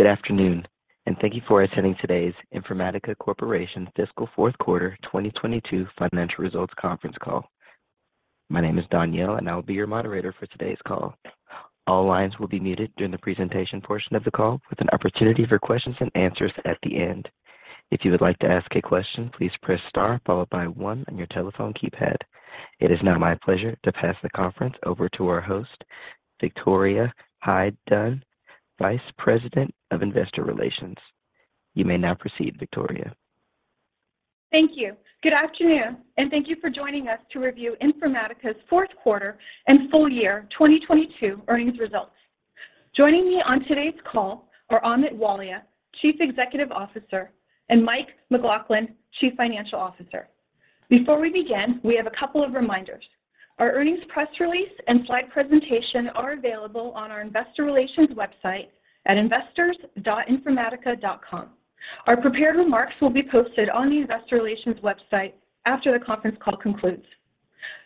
Good afternoon, and thank you for attending today's Informatica Corporation fiscal fourth quarter 2022 financial results conference call. My name is Danielle, and I will be your moderator for today's call. All lines will be muted during the presentation portion of the call with an opportunity for questions and answers at the end. If you would like to ask a question, please press star followed by one on your telephone keypad. It is now my pleasure to pass the conference over to our host, Victoria Hyde-Dunn, Vice President of Investor Relations. You may now proceed, Victoria. Thank you. Good afternoon, and thank you for joining us to review Informatica's fourth quarter and full year 2022 earnings results. Joining me on today's call are Amit Walia, Chief Executive Officer, and Mike McLaughlin, Chief Financial Officer. Before we begin, we have a couple of reminders. Our earnings press release and slide presentation are available on our investor relations website at investors.informatica.com. Our prepared remarks will be posted on the Investor Relations website after the conference call concludes.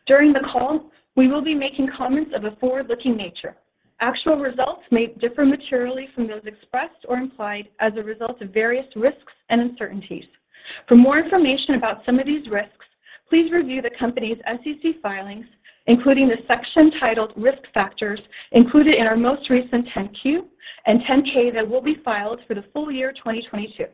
During the call, we will be making comments of a forward-looking nature. Actual results may differ materially from those expressed or implied as a result of various risks and uncertainties. For more information about some of these risks, please review the company's SEC filings, including the section titled Risk Factors included in our most recent 10-Q and 10-K that will be filed for the full year 2022.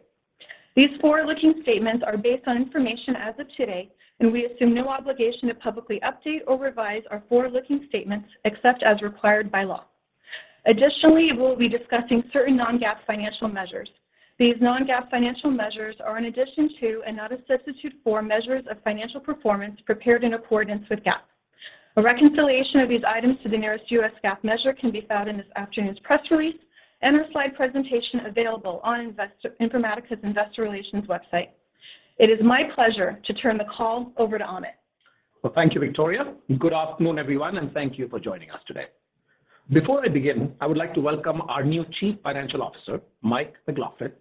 These forward-looking statements are based on information as of today, and we assume no obligation to publicly update or revise our forward-looking statements except as required by law. Additionally, we'll be discussing certain non-GAAP financial measures. These non-GAAP financial measures are in addition to and not a substitute for measures of financial performance prepared in accordance with GAAP. A reconciliation of these items to the nearest U.S. GAAP measure can be found in this afternoon's press release and our slide presentation available on Informatica's Investor Relations website. It is my pleasure to turn the call over to Amit. Well, thank you, Victoria. Good afternoon, everyone. Thank you for joining us today. Before I begin, I would like to welcome our new Chief Financial Officer, Mike McLaughlin,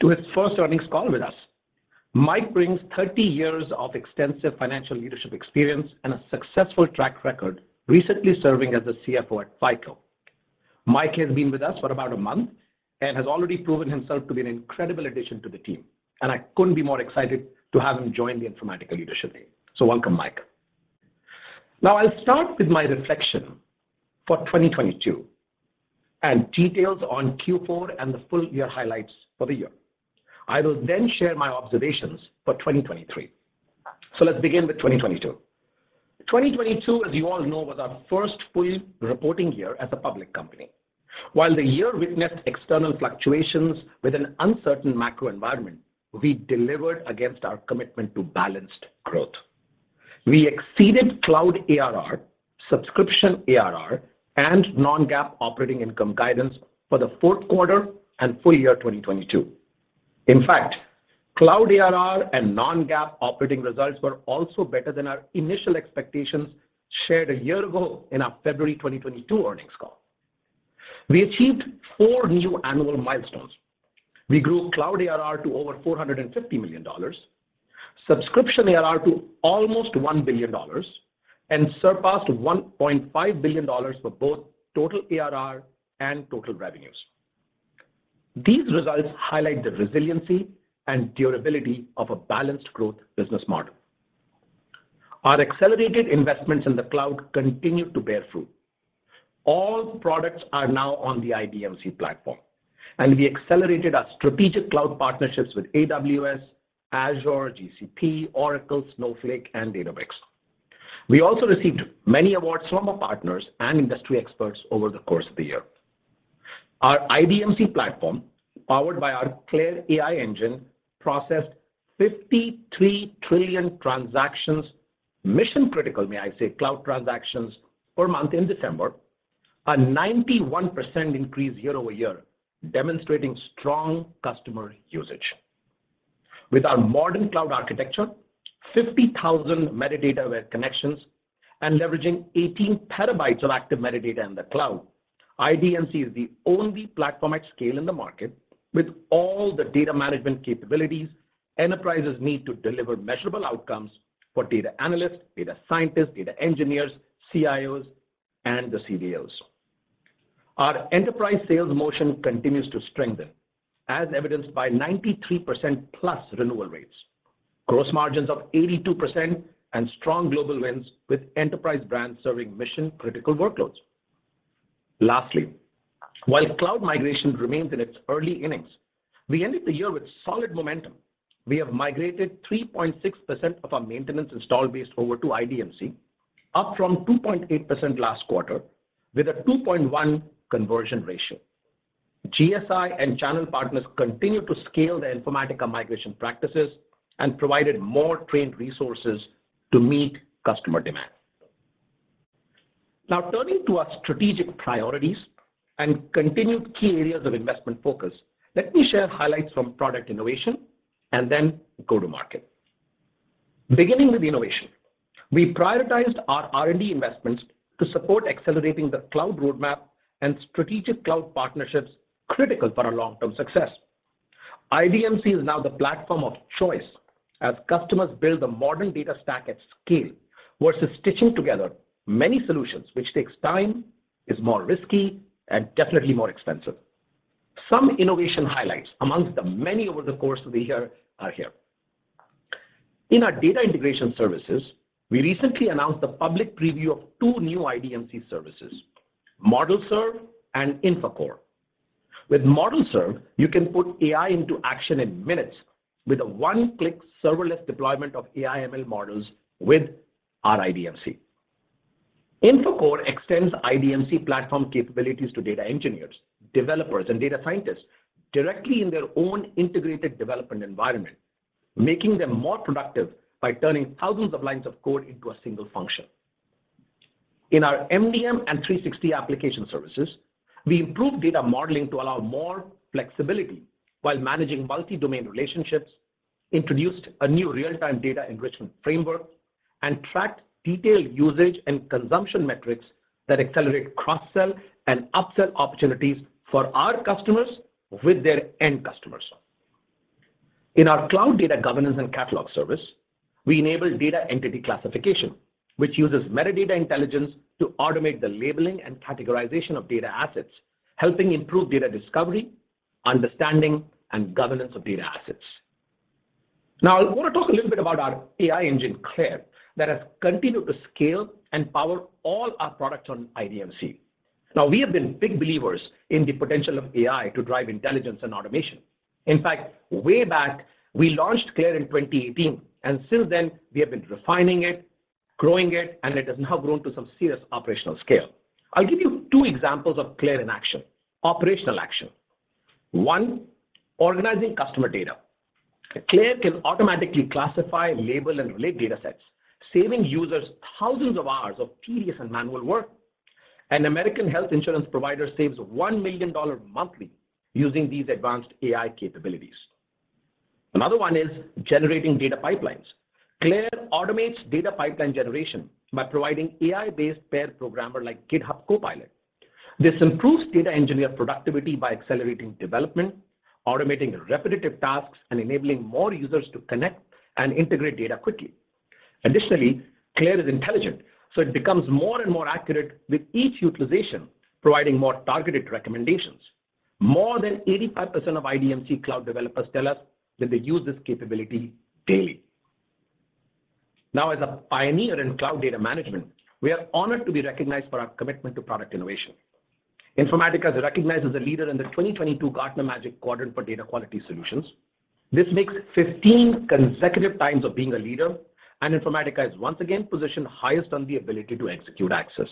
to his first earnings call with us. Mike brings 30 years of extensive financial leadership experience and a successful track record recently serving as a CFO at FICO. Mike has been with us for about a month and has already proven himself to be an incredible addition to the team, and I couldn't be more excited to have him join the Informatica leadership team. Welcome, Mike. I'll start with my reflection for 2022 and details on Q4 and the full year highlights for the year. I will share my observations for 2023. Let's begin with 2022. 2022, as you all know, was our first full reporting year as a public company. While the year witnessed external fluctuations with an uncertain macro environment, we delivered against our commitment to balanced growth. We exceeded cloud ARR, subscription ARR, and non-GAAP operating income guidance for the fourth quarter and full year 2022. In fact, cloud ARR and non-GAAP operating results were also better than our initial expectations shared a year ago in our February 2022 earnings call. We achieved four new annual milestones. We grew cloud ARR to over $450 million, subscription ARR to almost $1 billion, and surpassed $1.5 billion for both total ARR and total revenues. These results highlight the resiliency and durability of a balanced growth business model. Our accelerated investments in the cloud continue to bear fruit. All products are now on the IDMC platform, and we accelerated our strategic cloud partnerships with AWS, Azure, GCP, Oracle, Snowflake, and Databricks. We also received many awards from our partners and industry experts over the course of the year. Our IDMC platform, powered by our CLAIRE AI engine, processed 53 trillion transactions, mission-critical, may I say, cloud transactions per month in December, a 91% increase year-over-year, demonstrating strong customer usage. With our modern cloud architecture, 50,000 metadata web connections and leveraging 18 TB of active metadata in the cloud, IDMC is the only platform at scale in the market with all the data management capabilities enterprises need to deliver measurable outcomes for data analysts, data scientists, data engineers, CIOs, and the CDOs. Our enterprise sales motion continues to strengthen as evidenced by 93%+ renewal rates, gross margins of 82% and strong global wins with enterprise brands serving mission-critical workloads. Lastly, while cloud migration remains in its early innings, we ended the year with solid momentum. We have migrated 3.6% of our maintenance install base over to IDMC, up from 2.8% last quarter, with a 2.1 conversion ratio. GSI and channel partners continued to scale their Informatica migration practices and provided more trained resources to meet customer demand. Turning to our strategic priorities and continued key areas of investment focus, let me share highlights from product innovation and then go-to-market. Beginning with innovation, we prioritized our R&D investments to support accelerating the cloud roadmap and strategic cloud partnerships critical for our long-term success. IDMC is now the platform of choice as customers build a modern data stack at scale versus stitching together many solutions, which takes time, is more risky, and definitely more expensive. Some innovation highlights amongst the many over the course of the year are here. In our data integration services, we recently announced the public preview of two new IDMC services, ModelServe and INFACore. With ModelServe, you can put AI into action in minutes with a 1-click serverless deployment of AI/ML models with our IDMC. INFACore extends IDMC platform capabilities to data engineers, developers, and data scientists directly in their own integrated development environment, making them more productive by turning thousands of lines of code into a single function. In our MDM and 360 application services, we improved data modeling to allow more flexibility while managing multi-domain relationships, introduced a new real-time data enrichment framework, and tracked detailed usage and consumption metrics that accelerate cross-sell and upsell opportunities for our customers with their end customers. In our Cloud Data Governance and Catalog service, we enabled data entity classification, which uses metadata intelligence to automate the labeling and categorization of data assets, helping improve data discovery, understanding, and governance of data assets. Now, I want to talk a little bit about our AI engine, CLAIRE, that has continued to scale and power all our products on IDMC. Now, we have been big believers in the potential of AI to drive intelligence and automation. In fact, way back, we launched CLAIRE in 2018, and since then, we have been refining it, growing it, and it has now grown to some serious operational scale. I'll give you two examples of CLAIRE in action, operational action. One, organizing customer data. CLAIRE can automatically classify, label, and relate data sets, saving users thousands of hours of tedious and manual work. An American health insurance provider saves $1 million monthly using these advanced AI capabilities. Another one is generating data pipelines. CLAIRE automates data pipeline generation by providing AI-based pair programmer like GitHub Copilot. This improves data engineer productivity by accelerating development, automating repetitive tasks, and enabling more users to connect and integrate data quickly. Additionally, CLAIRE is intelligent, so it becomes more and more accurate with each utilization, providing more targeted recommendations. More than 85% of IDMC cloud developers tell us that they use this capability daily. Now, as a pioneer in cloud data management, we are honored to be recognized for our commitment to product innovation. Informatica is recognized as a leader in the 2022 Gartner Magic Quadrant for Data Quality Solutions. This makes 15 consecutive times of being a leader, and Informatica is once again positioned highest on the ability to execute access.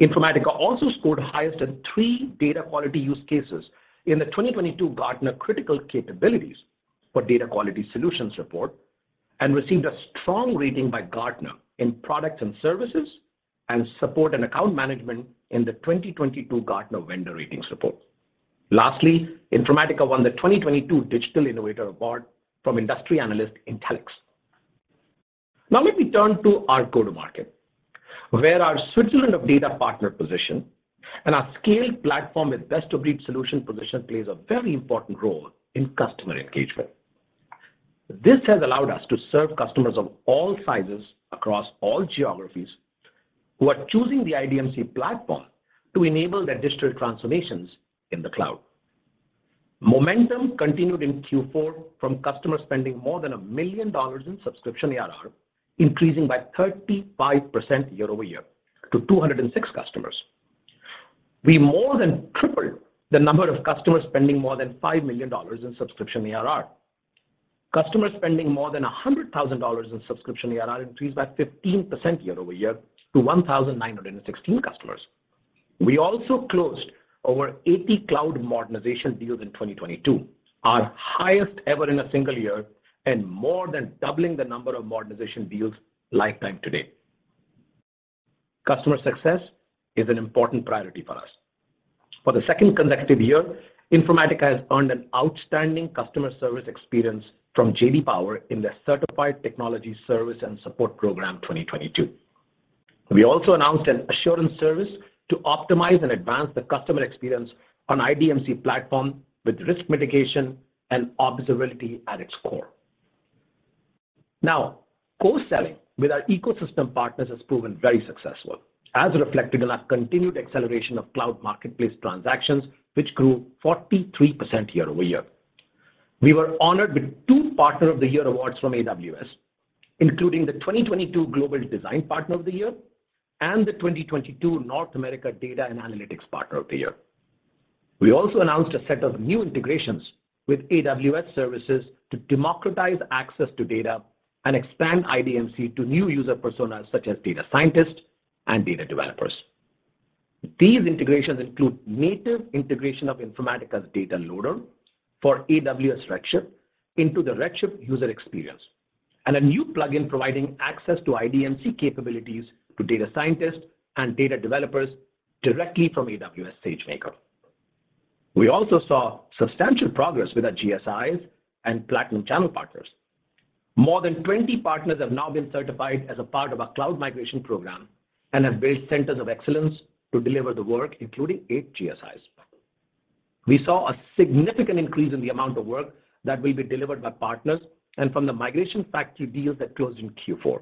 Informatica also scored highest in three data quality use cases in the 2022 Gartner Critical Capabilities for Data Quality Solutions report and received a strong rating by Gartner in products and services and support and account management in the 2022 Gartner Vendor Ratings report. Lastly, Informatica won the 2022 Digital Innovator award from industry analyst Intellyx. Let me turn to our go-to-market, where our Switzerland of data partner position and our scaled platform with best-of-breed solution position plays a very important role in customer engagement. This has allowed us to serve customers of all sizes across all geographies who are choosing the IDMC platform to enable their digital transformations in the cloud. Momentum continued in Q4 from customers spending more than $1 million in subscription ARR, increasing by 35% year-over-year to 206 customers. We more than tripled the number of customers spending more than $5 million in subscription ARR. Customers spending more than $100,000 in subscription ARR increased by 15% year-over-year to 1,916 customers. We also closed over 80 cloud modernization deals in 2022, our highest ever in a single year and more than doubling the number of modernization deals lifetime to date. Customer success is an important priority for us. For the second consecutive year, Informatica has earned an outstanding customer service experience from J.D. Power in their Certified Technology Service and Support program 2022. We also announced an assurance service to optimize and advance the customer experience on IDMC platform with risk mitigation and observability at its core. Co-selling with our ecosystem partners has proven very successful, as reflected in our continued acceleration of cloud marketplace transactions, which grew 43% year-over-year. We were honored with two Partner of the Year awards from AWS, including the 2022 Global Design Partner of the Year and the 2022 North America Data and Analytics Partner of the Year. We also announced a set of new integrations with AWS services to democratize access to data and expand IDMC to new user personas such as data scientists and data developers. These integrations include native integration of Informatica's data loader for Amazon Redshift into the Redshift user experience and a new plugin providing access to IDMC capabilities to data scientists and data developers directly from Amazon SageMaker. We also saw substantial progress with our GSIs and platinum channel partners. More than 20 partners have now been certified as a part of our cloud migration program and have built centers of excellence to deliver the work, including 8 GSIs. We saw a significant increase in the amount of work that will be delivered by partners and from the migration factory deals that closed in Q4.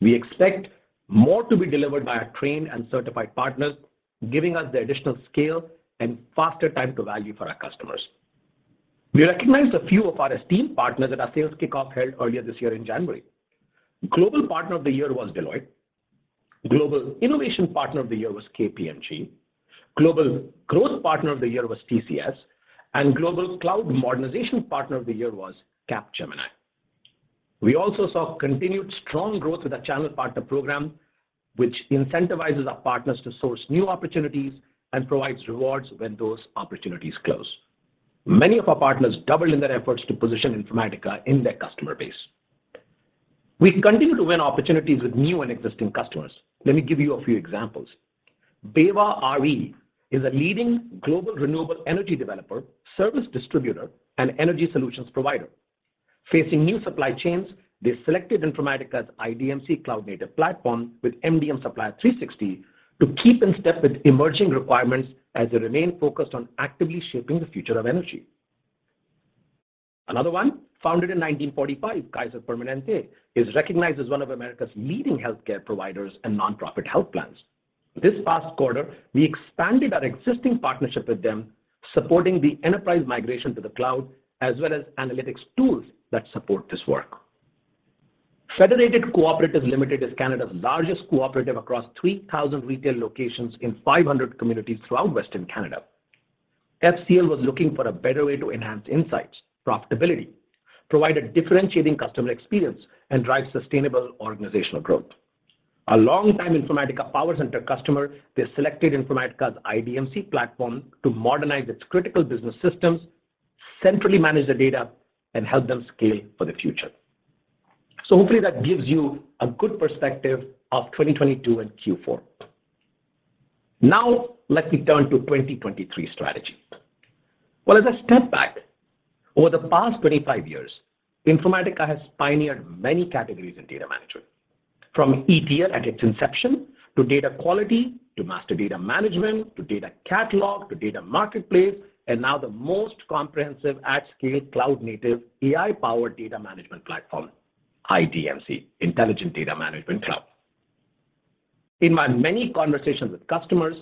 We expect more to be delivered by our trained and certified partners, giving us the additional scale and faster time to value for our customers. We recognize a few of our esteemed partners at our sales kickoff held earlier this year in January. Global partner of the year was Deloitte. Global innovation partner of the year was KPMG. Global growth partner of the year was TCS, and global cloud modernization partner of the year was Capgemini. We also saw continued strong growth with our channel partner program, which incentivizes our partners to source new opportunities and provides rewards when those opportunities close. Many of our partners doubled in their efforts to position Informatica in their customer base. We continue to win opportunities with new and existing customers. Let me give you a few examples. BayWa r.e. is a leading global renewable energy developer, service distributor, and energy solutions provider. Facing new supply chains, they selected Informatica's IDMC cloud-native platform with MDM Supplier 360 to keep in step with emerging requirements as they remain focused on actively shaping the future of energy. Another one, founded in 1945, Kaiser Permanente, is recognized as one of America's leading healthcare providers and nonprofit health plans. This past quarter, we expanded our existing partnership with them, supporting the enterprise migration to the cloud as well as analytics tools that support this work. Federated Co-operatives Limited is Canada's largest cooperative across 3,000 retail locations in 500 communities throughout Western Canada. FCL was looking for a better way to enhance insights, profitability, provide a differentiating customer experience, and drive sustainable organizational growth. A long time Informatica PowerCenter customer, they selected Informatica's IDMC platform to modernize its critical business systems, centrally manage their data, and help them scale for the future. Hopefully that gives you a good perspective of 2022 and Q4. Now, let me turn to 2023 strategy. Well, as I step back, over the past 25 years, Informatica has pioneered many categories in data management, from ETL at its inception, to data quality, to master data management, to data catalog, to data marketplace, and now the most comprehensive at-scale cloud-native AI-powered data management platform, IDMC, Intelligent Data Management Cloud. In my many conversations with customers,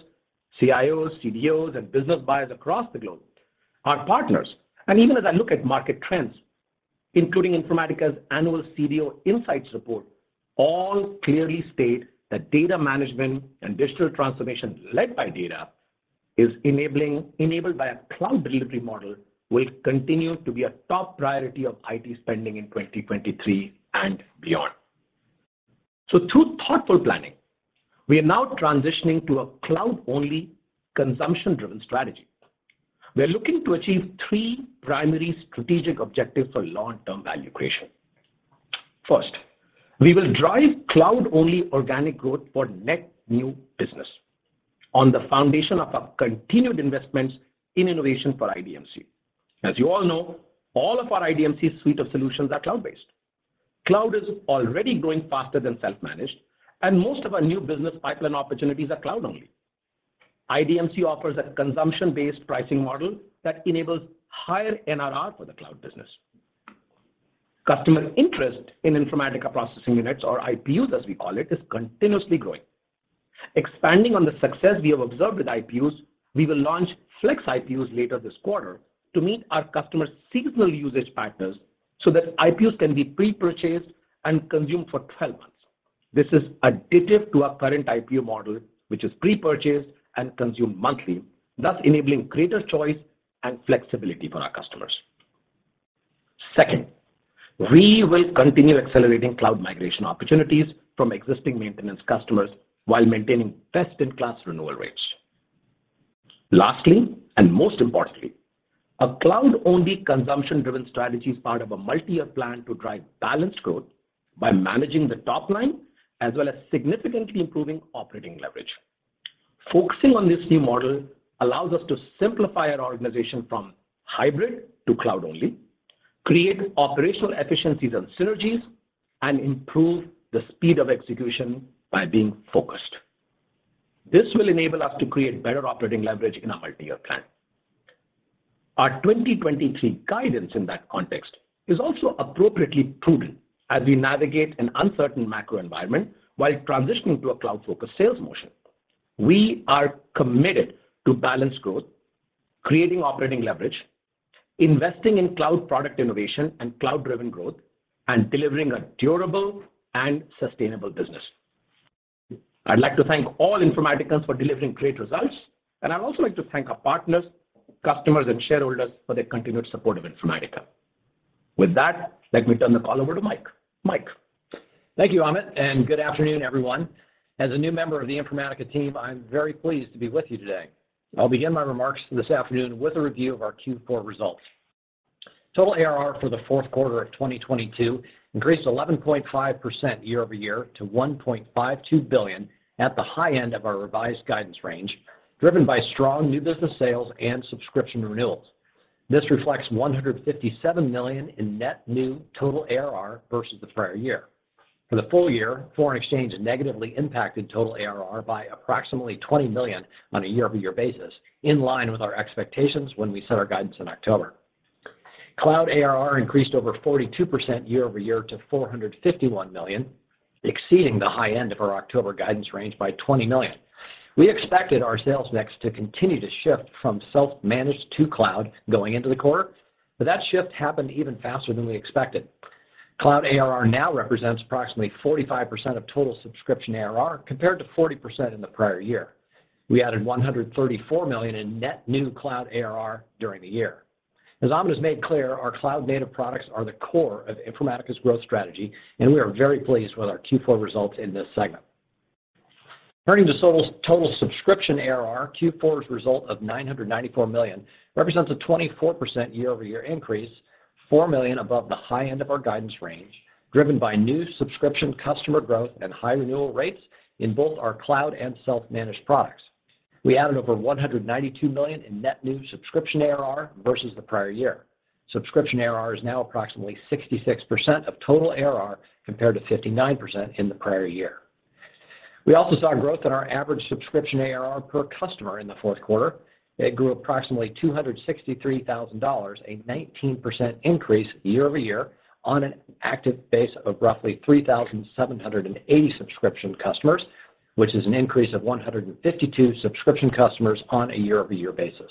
CIOs, CDOs, and business buyers across the globe, our partners, and even as I look at market trends, including Informatica's annual CDO Insights Report, all clearly state that data management and digital transformation led by data is enabled by a cloud delivery model will continue to be a top priority of IT spending in 2023 and beyond. Through thoughtful planning, we are now transitioning to a cloud-only consumption-driven strategy. We're looking to achieve three primary strategic objectives for long-term value creation. First, we will drive cloud-only organic growth for net new business on the foundation of our continued investments in innovation for IDMC. As you all know, all of our IDMC suite of solutions are cloud-based. Cloud is already growing faster than self-managed, and most of our new business pipeline opportunities are cloud-only. IDMC offers a consumption-based pricing model that enables higher NRR for the cloud business. Customer interest in Informatica Processing Units, or IPUs as we call it, is continuously growing. Expanding on the success we have observed with IPUs, we will launch Flex IPUs later this quarter to meet our customers' seasonal usage patterns so that IPUs can be pre-purchased and consumed for 12 months. This is additive to our current IPU model, which is pre-purchased and consumed monthly, thus enabling greater choice and flexibility for our customers. Second, we will continue accelerating cloud migration opportunities from existing maintenance customers while maintaining best-in-class renewal rates. Lastly, and most importantly, a cloud-only consumption-driven strategy is part of a multi-year plan to drive balanced growth by managing the top line as well as significantly improving operating leverage. Focusing on this new model allows us to simplify our organization from hybrid to cloud only, create operational efficiencies and synergies, and improve the speed of execution by being focused. This will enable us to create better operating leverage in our multi-year plan. Our 2023 guidance in that context is also appropriately prudent as we navigate an uncertain macro environment while transitioning to a cloud-focused sales motion. We are committed to balanced growth, creating operating leverage, investing in cloud product innovation and cloud-driven growth, and delivering a durable and sustainable business. I'd like to thank all Informatica for delivering great results, and I'd also like to thank our partners, customers, and shareholders for their continued support of Informatica. With that, let me turn the call over to Mike. Mike? Thank you, Amit. Good afternoon, everyone. As a new member of the Informatica team, I'm very pleased to be with you today. I'll begin my remarks this afternoon with a review of our Q4 results. Total ARR for the fourth quarter of 2022 increased 11.5% year-over-year to $1.52 billion at the high end of our revised guidance range, driven by strong new business sales and subscription renewals. This reflects $157 million in net new total ARR versus the prior year. For the full year, foreign exchange negatively impacted total ARR by approximately $20 million on a year-over-year basis, in line with our expectations when we set our guidance in October. Cloud ARR increased over 42% year-over-year to $451 million, exceeding the high end of our October guidance range by $20 million. We expected our sales mix to continue to shift from self-managed to cloud going into the quarter. That shift happened even faster than we expected. Cloud ARR now represents approximately 45% of total subscription ARR compared to 40% in the prior year. We added $134 million in net new cloud ARR during the year. As Amit has made clear, our cloud-native products are the core of Informatica's growth strategy, and we are very pleased with our Q4 results in this segment. Turning to total subscription ARR, Q4's result of $994 million represents a 24% year-over-year increase, $4 million above the high end of our guidance range, driven by new subscription customer growth and high renewal rates in both our cloud and self-managed products. We added over $192 million in net new subscription ARR versus the prior year. Subscription ARR is now approximately 66% of total ARR compared to 59% in the prior year. We also saw growth in our average subscription ARR per customer in the fourth quarter. It grew approximately $263,000, a 19% increase year-over-year on an active base of roughly 3,780 subscription customers, which is an increase of 152 subscription customers on a year-over-year basis.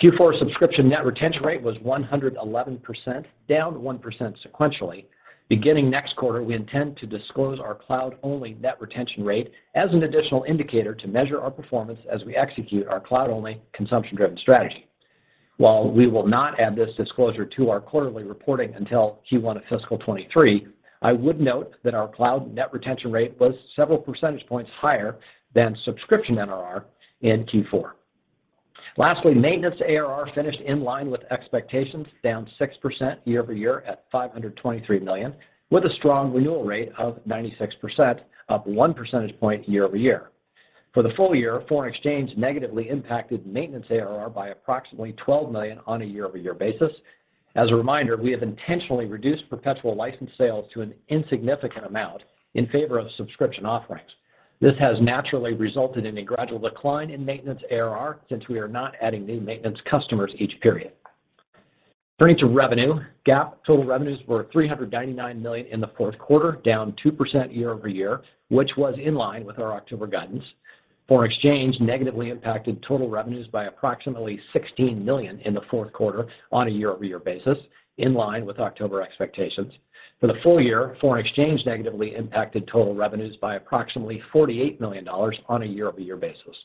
Q4 subscription net retention rate was 111%, down 1% sequentially. Beginning next quarter, we intend to disclose our cloud-only net retention rate as an additional indicator to measure our performance as we execute our cloud-only consumption-driven strategy. While we will not add this disclosure to our quarterly reporting until Q1 of fiscal 2023, I would note that our cloud net retention rate was several percentage points higher than subscription NRR in Q4. Lastly, maintenance ARR finished in line with expectations, down 6% year-over-year at $523 million, with a strong renewal rate of 96%, up 1 percentage point year-over-year. For the full year, foreign exchange negatively impacted maintenance ARR by approximately $12 million on a year-over-year basis. As a reminder, we have intentionally reduced perpetual license sales to an insignificant amount in favor of subscription offerings. This has naturally resulted in a gradual decline in maintenance ARR since we are not adding new maintenance customers each period. Turning to revenue, GAAP total revenues were $399 million in the fourth quarter, down 2% year-over-year, which was in line with our October guidance. Foreign exchange negatively impacted total revenues by approximately $16 million in the fourth quarter on a year-over-year basis, in line with October expectations. For the full year, foreign exchange negatively impacted total revenues by approximately $48 million on a year-over-year basis.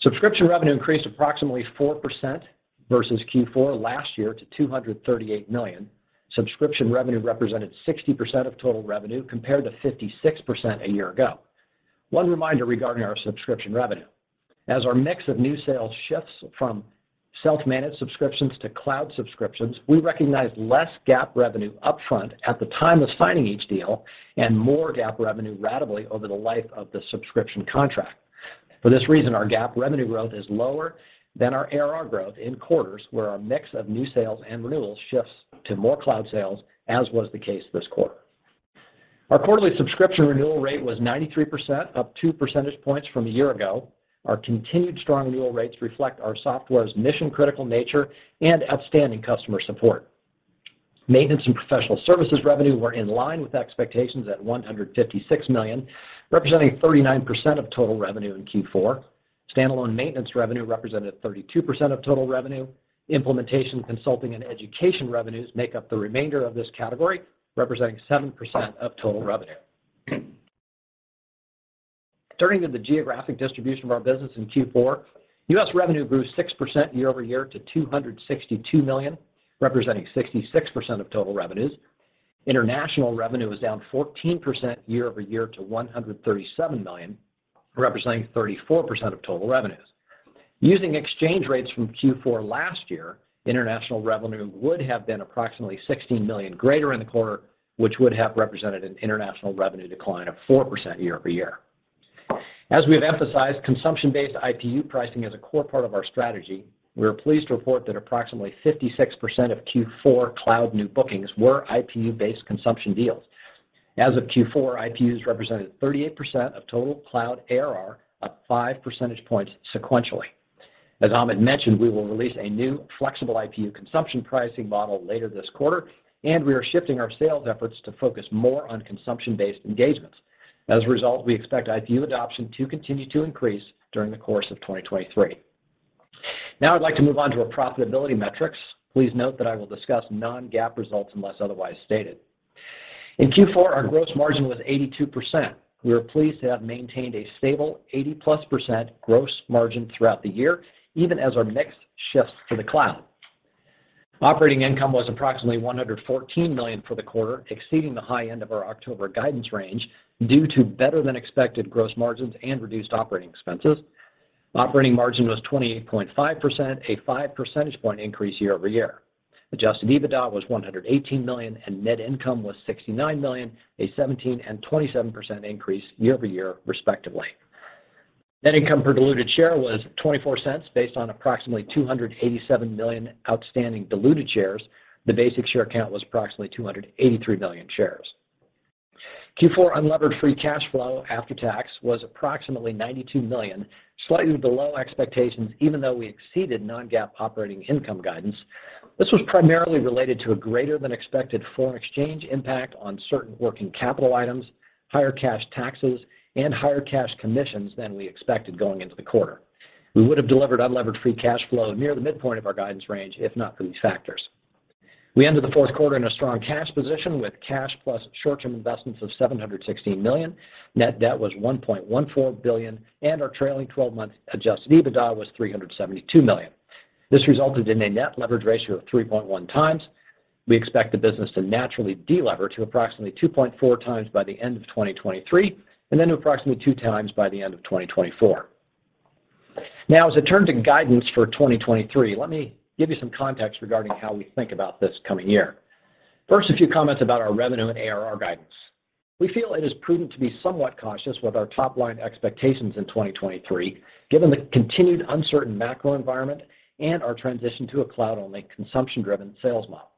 Subscription revenue increased approximately 4% versus Q4 last year to $238 million. Subscription revenue represented 60% of total revenue, compared to 56% a year ago. One reminder regarding our subscription revenue. As our mix of new sales shifts from self-managed subscriptions to cloud subscriptions, we recognize less GAAP revenue upfront at the time of signing each deal and more GAAP revenue ratably over the life of the subscription contract. For this reason, our GAAP revenue growth is lower than our ARR growth in quarters where our mix of new sales and renewals shifts to more cloud sales, as was the case this quarter. Our quarterly subscription renewal rate was 93%, up 2 percentage points from a year ago. Our continued strong renewal rates reflect our software's mission-critical nature and outstanding customer support. Maintenance and professional services revenue were in line with expectations at $156 million, representing 39% of total revenue in Q4. Standalone maintenance revenue represented 32% of total revenue. Implementation, consulting, and education revenues make up the remainder of this category, representing 7% of total revenue. Turning to the geographic distribution of our business in Q4, U.S. revenue grew 6% year-over-year to $262 million, representing 66% of total revenues. International revenue was down 14% year-over-year to $137 million, representing 34% of total revenues. Using exchange rates from Q4 last year, international revenue would have been approximately $16 million greater in the quarter, which would have represented an international revenue decline of 4% year-over-year. As we have emphasized, consumption-based IPU pricing is a core part of our strategy. We are pleased to report that approximately 56% of Q4 cloud new bookings were IPU-based consumption deals. As of Q4, IPUs represented 38% of total cloud ARR, up 5 percentage points sequentially. As Amit mentioned, we will release a new flexible IPU consumption pricing model later this quarter, and we are shifting our sales efforts to focus more on consumption-based engagements. As a result, we expect IPU adoption to continue to increase during the course of 2023. I'd like to move on to our profitability metrics. Please note that I will discuss non-GAAP results unless otherwise stated. In Q4, our gross margin was 82%. We are pleased to have maintained a stable 80-plus% gross margin throughout the year, even as our mix shifts to the cloud. Operating income was approximately $114 million for the quarter, exceeding the high end of our October guidance range due to better-than-expected gross margins and reduced operating expenses. Operating margin was 28.5%, a 5 percentage point increase year-over-year. Adjusted EBITDA was $118 million, and net income was $69 million, a 17% and 27% increase year-over-year, respectively. Net income per diluted share was $0.24 based on approximately $287 million outstanding diluted shares. The basic share count was approximately $283 million shares. Q4 unlevered free cash flow after tax was approximately $92 million, slightly below expectations, even though we exceeded non-GAAP operating income guidance. This was primarily related to a greater than expected foreign exchange impact on certain working capital items, higher cash taxes, and higher cash commissions than we expected going into the quarter. We would have delivered unlevered free cash flow near the midpoint of our guidance range if not for these factors. We ended the fourth quarter in a strong cash position with cash plus short-term investments of $716 million. Net debt was $1.14 billion, and our trailing 12-month adjusted EBITDA was $372 million. This resulted in a net leverage ratio of 3.1x. We expect the business to naturally delever to approximately 2.4x by the end of 2023, and then to approximately 2x by the end of 2024. As I turn to guidance for 2023, let me give you some context regarding how we think about this coming year. First, a few comments about our revenue and ARR guidance. We feel it is prudent to be somewhat cautious with our top-line expectations in 2023, given the continued uncertain macro environment and our transition to a cloud-only, consumption-driven sales model.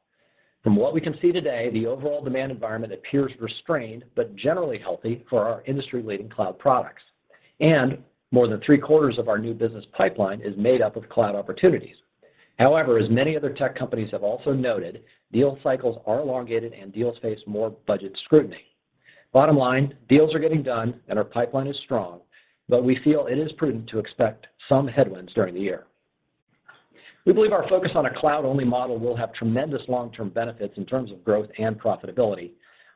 From what we can see today, the overall demand environment appears restrained but generally healthy for our industry-leading cloud products. More than three-quarters of our new business pipeline is made up of cloud opportunities. However, as many other tech companies have also noted, deal cycles are elongated, and deals face more budget scrutiny. Bottom line, deals are getting done and our pipeline is strong, but we feel it is prudent to expect some headwinds during the year. We believe our focus on a cloud-only model will have tremendous long-term benefits in terms of growth and profitability.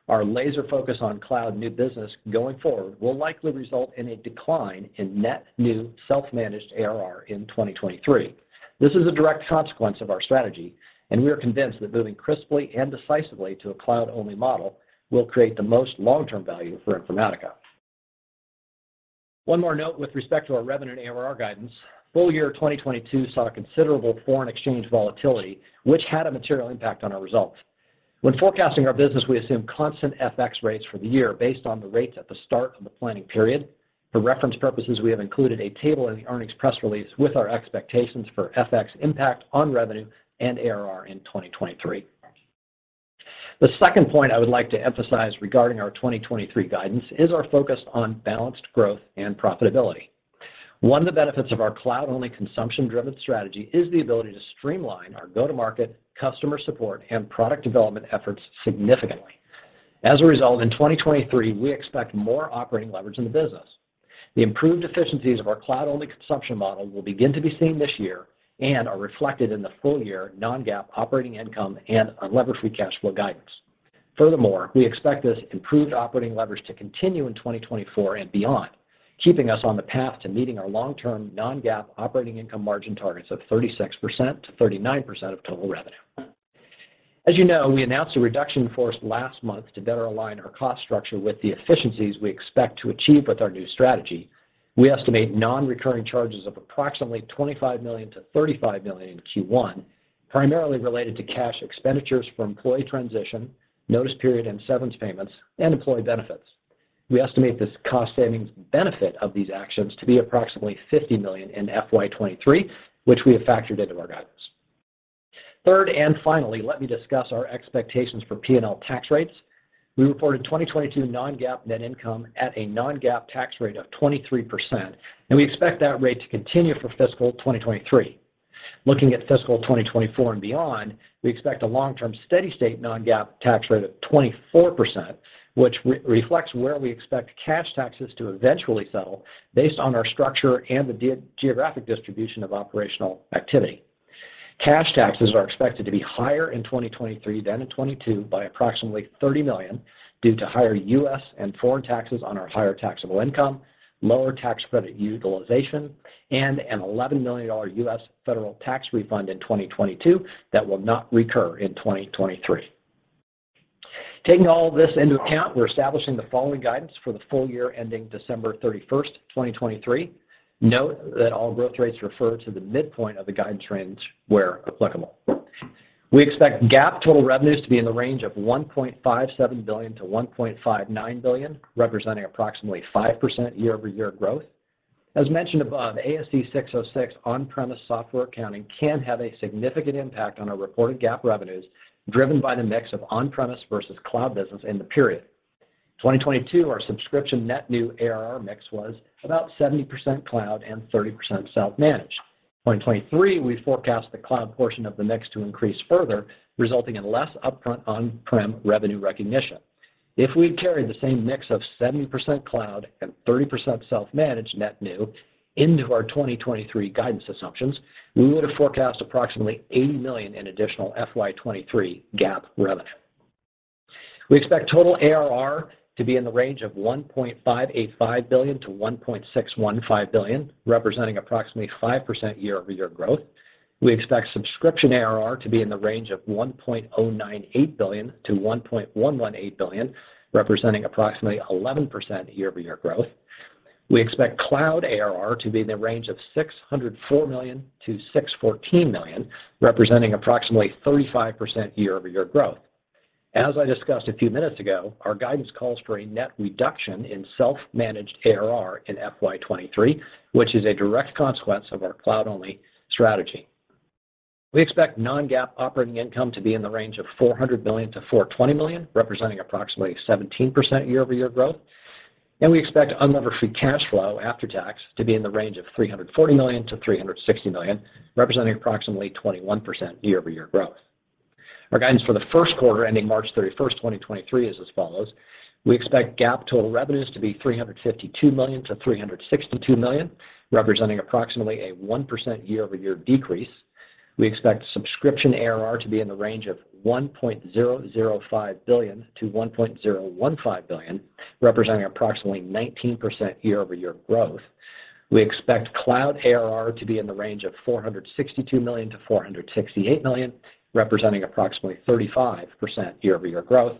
Our laser focus on cloud new business going forward will likely result in a decline in net new self-managed ARR in 2023. This is a direct consequence of our strategy, and we are convinced that moving crisply and decisively to a cloud-only model will create the most long-term value for Informatica. One more note with respect to our revenue and ARR guidance. Full year 2022 saw considerable foreign exchange volatility, which had a material impact on our results. When forecasting our business, we assume constant FX rates for the year based on the rates at the start of the planning period. For reference purposes, we have included a table in the earnings press release with our expectations for FX impact on revenue and ARR in 2023. The second point I would like to emphasize regarding our 2023 guidance is our focus on balanced growth and profitability. One of the benefits of our cloud-only consumption-driven strategy is the ability to streamline our go-to-market, customer support, and product development efforts significantly. As a result, in 2023, we expect more operating leverage in the business. The improved efficiencies of our cloud-only consumption model will begin to be seen this year and are reflected in the full year non-GAAP operating income and unlevered free cash flow guidance. Furthermore, we expect this improved operating leverage to continue in 2024 and beyond, keeping us on the path to meeting our long-term non-GAAP operating income margin targets of 36%-39% of total revenue. As you know, we announced a reduction force last month to better align our cost structure with the efficiencies we expect to achieve with our new strategy. We estimate non-recurring charges of approximately $25 million-$35 million in Q1, primarily related to cash expenditures for employee transition, notice period and severance payments, and employee benefits. We estimate this cost savings benefit of these actions to be approximately $50 million in FY 2023, which we have factored into our guidance. Third and finally, let me discuss our expectations for P&L tax rates. We reported 2022 non-GAAP net income at a non-GAAP tax rate of 23%. We expect that rate to continue for fiscal 2023. Looking at fiscal 2024 and beyond, we expect a long-term steady-state non-GAAP tax rate of 24%, which reflects where we expect cash taxes to eventually settle based on our structure and the geographic distribution of operational activity. Cash taxes are expected to be higher in 2023 than in 2022 by approximately $30 million due to higher U.S. and foreign taxes on our higher taxable income, lower tax credit utilization, and an $11 million U.S. federal tax refund in 2022 that will not recur in 2023. Taking all this into account, we're establishing the following guidance for the full year ending December 31st, 2023. Note that all growth rates refer to the midpoint of the guidance range where applicable. We expect GAAP total revenues to be in the range of $1.57 billion-$1.59 billion, representing approximately 5% year-over-year growth. As mentioned above, ASC 606 on-premise software accounting can have a significant impact on our reported GAAP revenues, driven by the mix of on-premise versus cloud business in the period. 2022, our subscription net new ARR mix was about 70% cloud and 30% self-managed. 2023, we forecast the cloud portion of the mix to increase further, resulting in less upfront on-prem revenue recognition. If we carry the same mix of 70% cloud and 30% self-managed net new into our 2023 guidance assumptions, we would have forecast approximately $80 million in additional FY 2023 GAAP revenue. We expect total ARR to be in the range of $1.585 billion-$1.615 billion, representing approximately 5% year-over-year growth. We expect subscription ARR to be in the range of $1.098 billion-$1.118 billion, representing approximately 11% year-over-year growth. We expect cloud ARR to be in the range of $604 million-$614 million, representing approximately 35% year-over-year growth. As I discussed a few minutes ago, our guidance calls for a net reduction in self-managed ARR in FY 2023, which is a direct consequence of our cloud-only strategy. We expect non-GAAP operating income to be in the range of $400 million-$420 million, representing approximately 17% year-over-year growth. We expect unlevered free cash flow after tax to be in the range of $340 million-$360 million, representing approximately 21% year-over-year growth. Our guidance for the first quarter ending March 31st, 2023 is as follows. We expect GAAP total revenues to be $352 million-$362 million, representing approximately a 1% year-over-year decrease. We expect subscription ARR to be in the range of $1.005 billion-$1.015 billion, representing approximately 19% year-over-year growth. We expect cloud ARR to be in the range of $462 million-$468 million, representing approximately 35% year-over-year growth.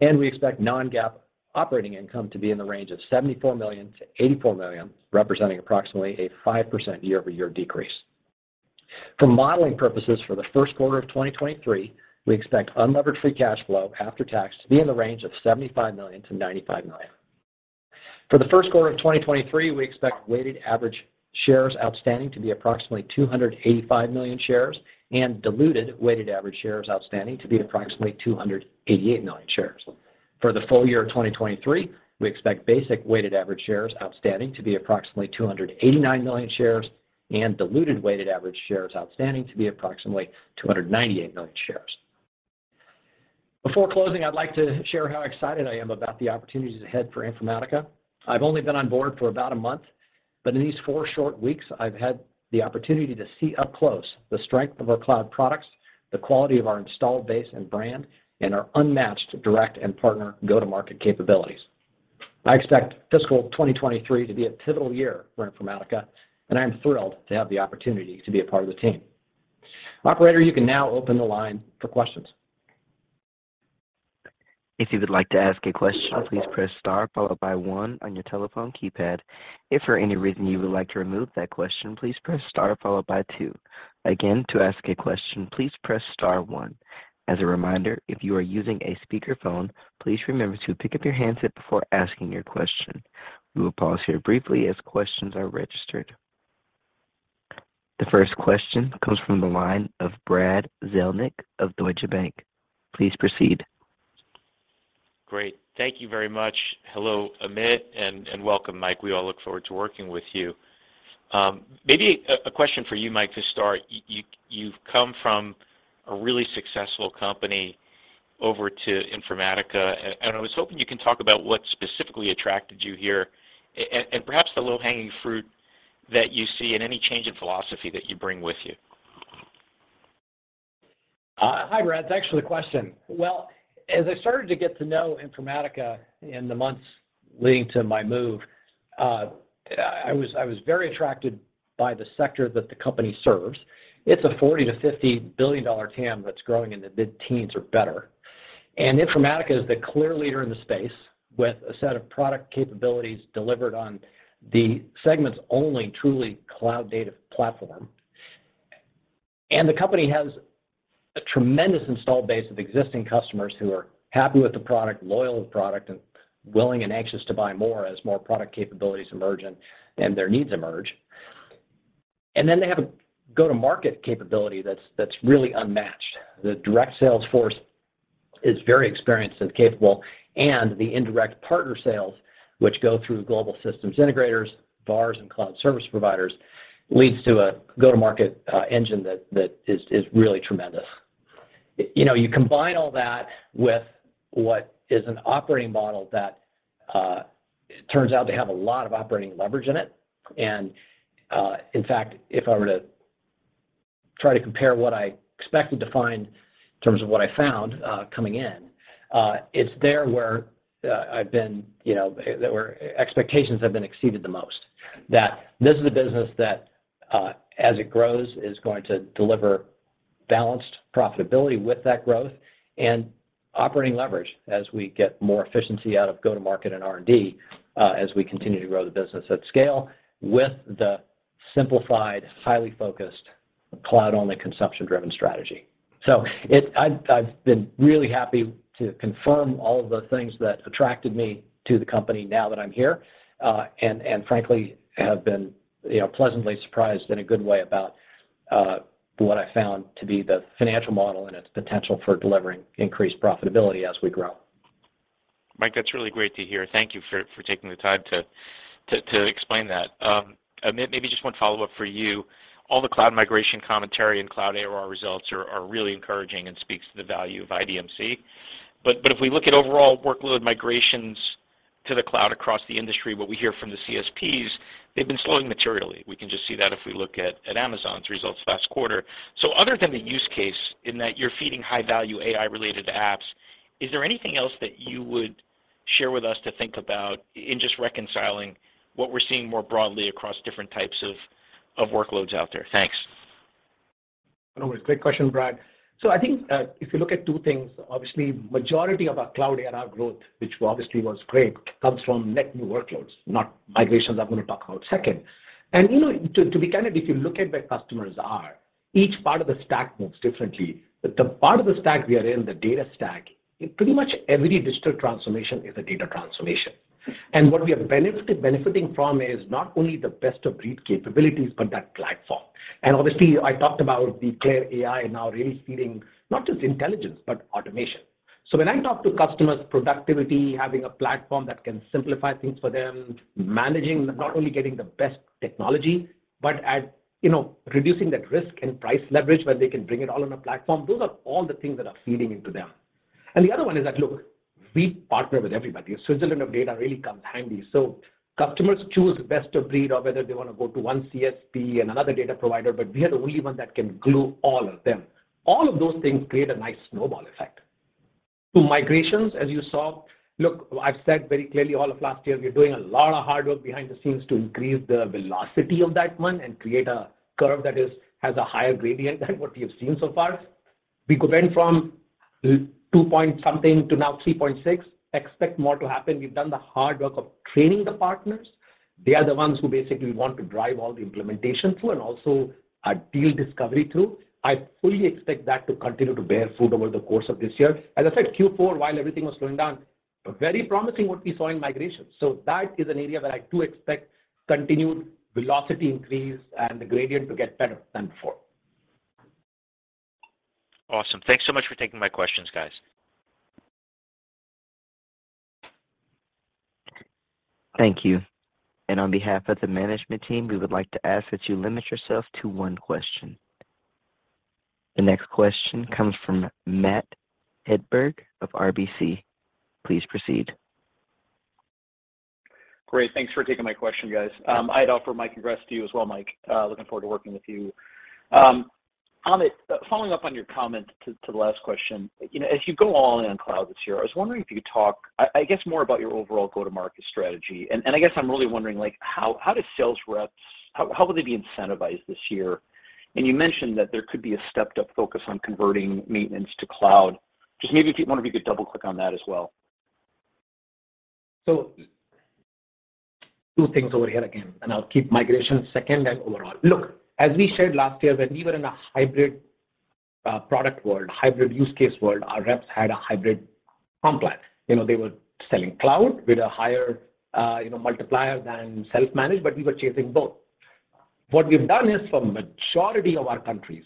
We expect non-GAAP operating income to be in the range of $74 million-$84 million, representing approximately a 5% year-over-year decrease. For modeling purposes for the first quarter of 2023, we expect unlevered free cash flow after tax to be in the range of $75 million-$95 million. For the first quarter of 2023, we expect weighted average shares outstanding to be approximately 285 million shares and diluted weighted average shares outstanding to be approximately 288 million shares. For the full year of 2023, we expect basic weighted average shares outstanding to be approximately 289 million shares and diluted weighted average shares outstanding to be approximately 298 million shares. Before closing, I'd like to share how excited I am about the opportunities ahead for Informatica. I've only been on board for about a month, but in these four short weeks, I've had the opportunity to see up close the strength of our cloud products, the quality of our installed base and brand, and our unmatched direct and partner go-to-market capabilities. I expect fiscal 2023 to be a pivotal year for Informatica, and I am thrilled to have the opportunity to be a part of the team. Operator, you can now open the line for questions. If you would like to ask a question, please press star followed by one on your telephone keypad. If for any reason you would like to remove that question, please press star followed by two. Again, to ask a question, please press star one. As a reminder, if you are using a speakerphone, please remember to pick up your handset before asking your question. We will pause here briefly as questions are registered. The first question comes from the line of Brad Zelnick of Deutsche Bank. Please proceed. Great. Thank you very much. Hello, Amit, and welcome, Mike. We all look forward to working with you. Maybe a question for you, Mike, to start. You've come from a really successful company over to Informatica, and I was hoping you can talk about what specifically attracted you here and perhaps the low-hanging fruit that you see and any change in philosophy that you bring with you. Hi, Brad. Thanks for the question. Well, as I started to get to know Informatica in the months leading to my move, I was very attracted by the sector that the company serves. It's a $40 billion-$50 billion TAM that's growing in the mid-teens or better. Informatica is the clear leader in the space with a set of product capabilities delivered on the segment's only truly cloud data platform. The company has a tremendous install base of existing customers who are happy with the product, loyal to the product, and willing and anxious to buy more as more product capabilities emerge and their needs emerge. Then they have a go-to-market capability that's really unmatched. The direct sales force is very experienced and capable, and the indirect partner sales, which go through Global Systems Integrators, VARs, and cloud service providers, leads to a go-to-market engine that is really tremendous. You know, you combine all that with what is an operating model that turns out to have a lot of operating leverage in it. In fact, if I were to try to compare what I expected to find in terms of what I found, coming in, it's there where I've been, you know, where expectations have been exceeded the most. That this is a business that, as it grows, is going to deliver balanced profitability with that growth and operating leverage as we get more efficiency out of go-to-market and R&D, as we continue to grow the business at scale with the simplified, highly focused cloud-only consumption-driven strategy. I've been really happy to confirm all of the things that attracted me to the company now that I'm here, and frankly, have been, you know, pleasantly surprised in a good way about, what I found to be the financial model and its potential for delivering increased profitability as we grow. Mike, that's really great to hear. Thank you for taking the time to explain that. Amit, maybe just one follow-up for you. All the cloud migration commentary and cloud ARR results are really encouraging and speaks to the value of IDMC. If we look at overall workload migrations to the cloud across the industry, what we hear from the CSPs, they've been slowing materially. We can just see that if we look at Amazon's results last quarter. Other than the use case in that you're feeding high-value AI-related apps, is there anything else that you would share with us to think about in just reconciling what we're seeing more broadly across different types of workloads out there? Thanks. It's a great question, Brad. I think, if you look at two things, obviously, majority of our cloud ARR growth, which obviously was great, comes from net new workloads, not migrations I'm going to talk about second. You know, to be candid, if you look at where customers are, each part of the stack moves differently. The part of the stack we are in, the data stack, in pretty much every digital transformation is a data transformation. What we are benefiting from is not only the best-of-breed capabilities, but that platform. Obviously, I talked about the CLAIRE AI now really feeding not just intelligence, but automation. When I talk to customers, productivity, having a platform that can simplify things for them, managing, not only getting the best technology, but at, you know, reducing that risk and price leverage where they can bring it all on a platform, those are all the things that are feeding into them. The other one is that, look, we partner with everybody. Switzerland of data really comes handy. Customers choose best of breed or whether they want to go to one CSP and another data provider, but we are the only one that can glue all of them. All of those things create a nice snowball effect. To migrations, as you saw. Look, I've said very clearly all of last year, we are doing a lot of hard work behind the scenes to increase the velocity of that one and create a curve that has a higher gradient than what we have seen so far. We could went from 2 point something to now 3.6. Expect more to happen. We've done the hard work of training the partners. They are the ones who basically want to drive all the implementation through and also deal discovery too. I fully expect that to continue to bear fruit over the course of this year. As I said, Q4, while everything was going down, very promising what we saw in migration. That is an area that I do expect continued velocity increase and the gradient to get better than before. Awesome. Thanks so much for taking my questions, guys. Thank you. On behalf of the management team, we would like to ask that you limit yourself to one question. The next question comes from Matt Hedberg of RBC. Please proceed. Great. Thanks for taking my question, guys. I'd offer my congrats to you as well, Mike. Looking forward to working with you. Amit, following up on your comment to the last question. You know, as you go all in on cloud this year, I was wondering if you could talk, I guess, more about your overall go-to-market strategy. I guess I'm really wondering, like, how do sales reps how will they be incentivized this year? You mentioned that there could be a stepped-up focus on converting maintenance to cloud. Just maybe if you'd want to, we could double-click on that as well. Two things over here again, and I'll keep migration second and overall. Look, as we said last year, when we were in a hybrid product world, hybrid use case world, our reps had a hybrid comp plan. You know, they were selling cloud with a higher, you know, multiplier than self-managed. We were chasing both. What we've done is for majority of our countries,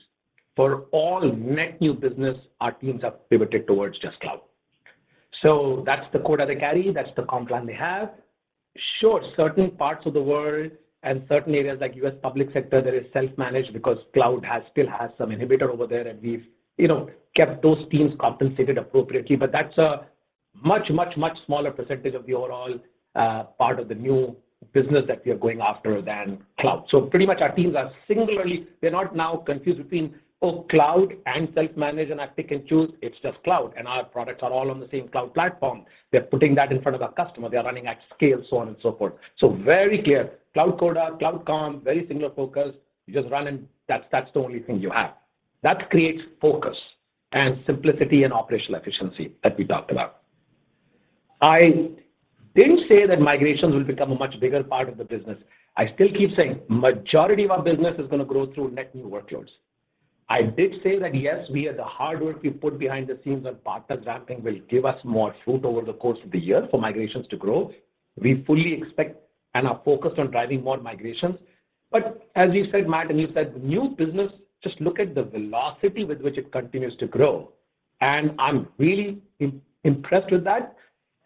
for all net new business, our teams have pivoted towards just cloud. That's the quota they carry, that's the comp plan they have. Sure, certain parts of the world and certain areas like U.S. public sector, there is self-managed because cloud still has some inhibitor over there, and we've, you know, kept those teams compensated appropriately. That's a much, much, much smaller percentage of the overall part of the new business that we are going after than cloud. Pretty much our teams are not now confused between, oh, cloud and self-managed, and I pick and choose. It's just cloud, our products are all on the same cloud platform. We're putting that in front of our customer. We are running at scale, so on and so forth. Very clear. Cloud quota, cloud comp, very similar focus. You just run and that's the only thing you have. That creates focus and simplicity and operational efficiency that we talked about. I didn't say that migrations will become a much bigger part of the business. I still keep saying majority of our business is going to grow through net new workloads. I did say that, yes, we are the hard work we put behind the scenes and partner ramping will give us more fruit over the course of the year for migrations to grow. We fully expect and are focused on driving more migrations. As you said, Matt, and you said new business, just look at the velocity with which it continues to grow. I'm really impressed with that.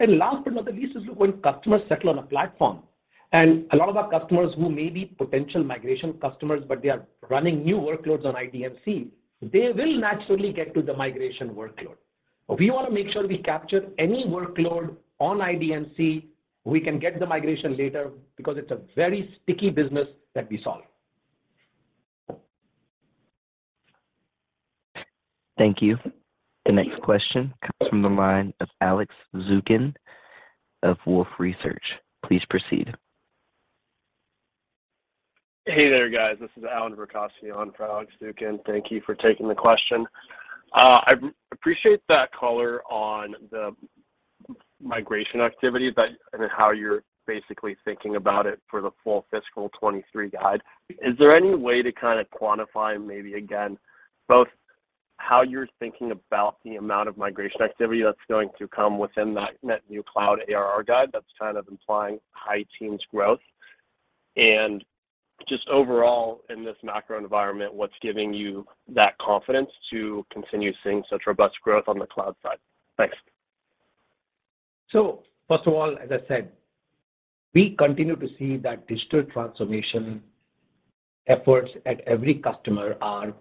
Last but not the least is, look, when customers settle on a platform, and a lot of our customers who may be potential migration customers, but they are running new workloads on IDMC, they will naturally get to the migration workload. We want to make sure we capture any workload on IDMC. We can get the migration later because it's a very sticky business that we solve. Thank you. The next question comes from the line of Alex Zukin of Wolfe Research. Please proceed. Hey there, guys. This is Allan Verkhovski on for Alex Zukin. Thank you for taking the question. I appreciate that color on the migration activity that and how you're basically thinking about it for the full fiscal 2023 guide. Is there any way to kind of quantify maybe again, both how you're thinking about the amount of migration activity that's going to come within that net new cloud ARR guide that's kind of implying high teens growth? Just overall in this macro environment, what's giving you that confidence to continue seeing such robust growth on the cloud side? Thanks. First of all, as I said, we continue to see that digital transformation efforts at every customer are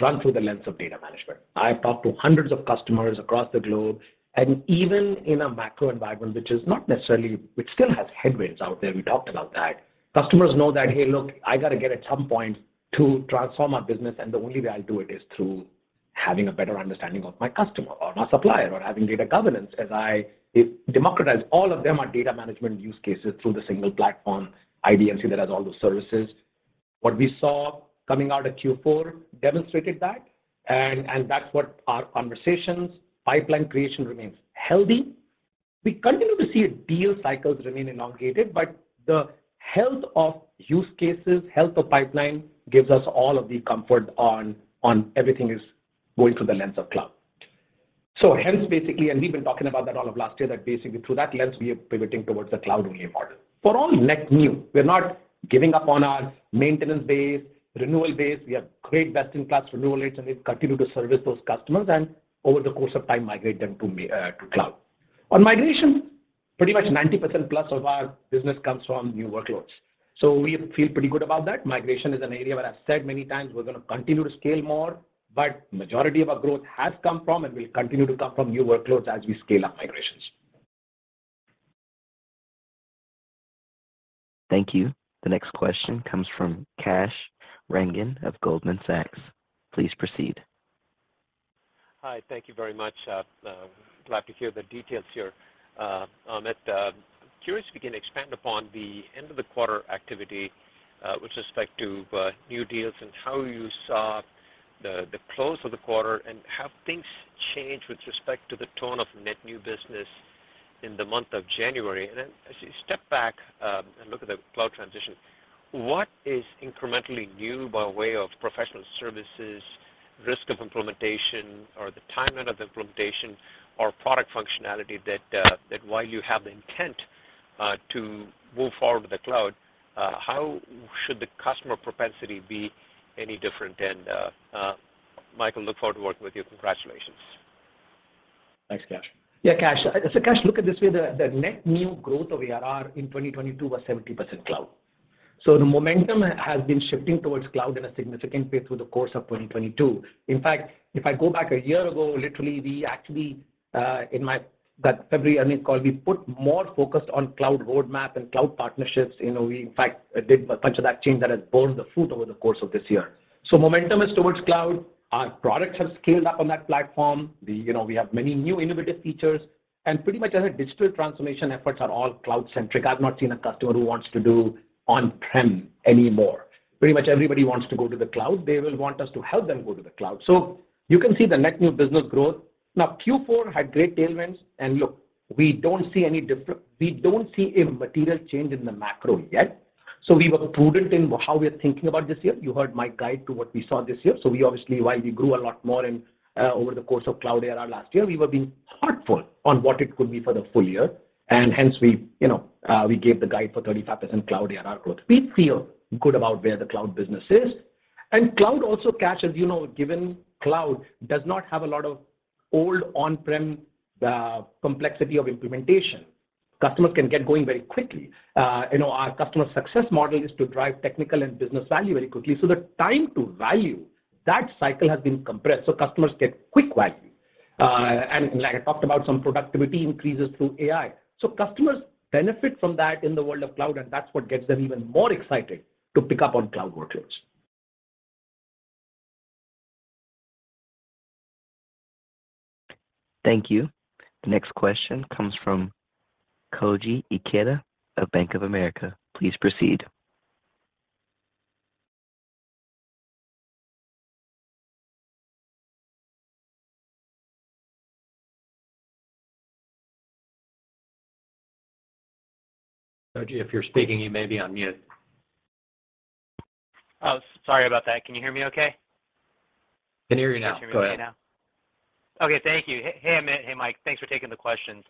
run through the lens of data management. I've talked to hundreds of customers across the globe, and even in a macro environment, which still has headwinds out there, we talked about that. Customers know that, hey, look, I got to get at some point to transform our business, and the only way I'll do it is through having a better understanding of my customer or my supplier, or having data governance as I democratize all of them are data management use cases through the single platform IDMC that has all those services. What we saw coming out of Q4 demonstrated that, and that's what our conversations, pipeline creation remains healthy. We continue to see deal cycles remain elongated, the health of use cases, health of pipeline gives us all of the comfort on everything is going through the lens of cloud. Hence, basically, we've been talking about that all of last year, that basically through that lens we are pivoting towards a cloud-only model. For all net new, we're not giving up on our maintenance base, renewal base. We have great best-in-class renewal rates, we continue to service those customers and over the course of time migrate them to cloud. On migration, pretty much 90%+ of our business comes from new workloads. We feel pretty good about that. Migration is an area where I've said many times we're gonna continue to scale more, but majority of our growth has come from and will continue to come from new workloads as we scale up migrations. Thank you. The next question comes from Kash Rangan of Goldman Sachs. Please proceed. Hi. Thank you very much. Glad to hear the details here, Amit. Curious if you can expand upon the end of the quarter activity with respect to new deals and how you saw the close of the quarter and have things changed with respect to the tone of net new business in the month of January? Then as you step back and look at the cloud transition, what is incrementally new by way of professional services, risk of implementation or the timeline of implementation or product functionality that while you have the intent to move forward with the cloud, how should the customer propensity be any different? Michael, look forward to working with you. Congratulations. Thanks, Kash. Kash. Kash, look at this way, the net new growth of ARR in 2022 was 70% cloud. The momentum has been shifting towards cloud in a significant way through the course of 2022. In fact, if I go back a year ago, literally we actually in that February earnings call, we put more focus on cloud roadmap and cloud partnerships. You know, we in fact did a bunch of that change that has borne the fruit over the course of this year. Momentum is towards cloud. Our products have scaled up on that platform. You know, we have many new innovative features, and pretty much our digital transformation efforts are all cloud-centric. I've not seen a customer who wants to do on-prem anymore. Pretty much everybody wants to go to the cloud. They will want us to help them go to the cloud. You can see the net new business growth. Now, Q4 had great tailwinds, and look, we don't see a material change in the macro yet. We were prudent in how we are thinking about this year. You heard my guide to what we saw this year. We obviously, while we grew a lot more in over the course of cloud ARR last year, we were being thoughtful on what it could be for the full year. Hence we, you know, we gave the guide for 35% cloud ARR growth. We feel good about where the cloud business is. Cloud also, Kash, as you know, given cloud does not have a lot of old on-prem complexity of implementation. Customers can get going very quickly. You know, our customer success model is to drive technical and business value very quickly. The time to value, that cycle has been compressed, so customers get quick value. Like I talked about some productivity increases through AI. Customers benefit from that in the world of cloud, that's what gets them even more excited to pick up on cloud workloads. Thank you. The next question comes from Koji Ikeda of Bank of America. Please proceed. Koji, if you're speaking, you may be on mute. Oh, sorry about that. Can you hear me okay? Can hear you now. Go ahead. Okay, thank you. Hey, Amit. Hey, Mike. Thanks for taking the questions.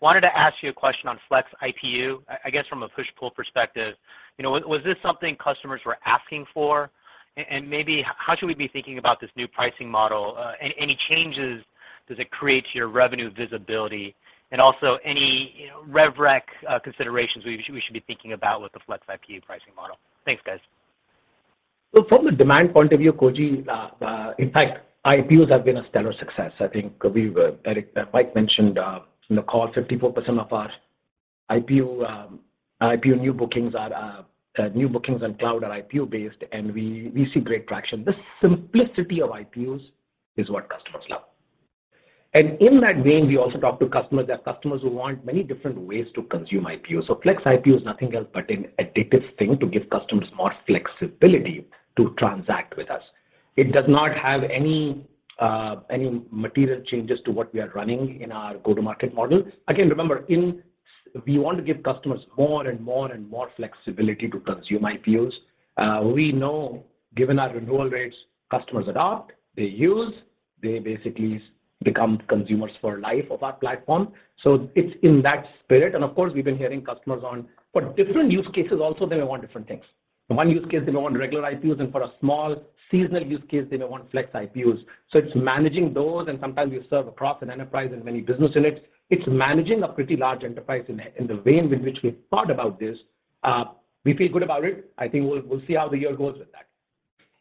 Wanted to ask you a question on Flex IPU. I guess from a push-pull perspective, you know, was this something customers were asking for? Maybe how should we be thinking about this new pricing model? Any changes does it create to your revenue visibility? Also any, you know, rev rec considerations we should be thinking about with the Flex IPU pricing model. Thanks, guys. Well, from a demand point of view, Koji, in fact, IPUs have been a stellar success. I think Eric, Mike mentioned in the call, 54% of our IPU new bookings are new bookings on cloud are IPU-based, and we see great traction. The simplicity of IPUs is what customers love. In that vein, we also talk to customers. There are customers who want many different ways to consume IPU. Flex IPU is nothing else but an additive thing to give customers more flexibility to transact with us. It does not have any material changes to what we are running in our go-to-market model. Again, remember, we want to give customers more and more and more flexibility to consume IPUs. We know, given our renewal rates, customers adopt, they use, they basically become consumers for life of our platform. It's in that spirit. Of course, we've been hearing customers on for different use cases also they may want different things. For one use case, they may want regular IPUs, and for a small seasonal use case, they may want Flex IPUs. It's managing those, and sometimes you serve across an enterprise and many business units. It's managing a pretty large enterprise in the vein with which we've thought about this. We feel good about it. I think we'll see how the year goes.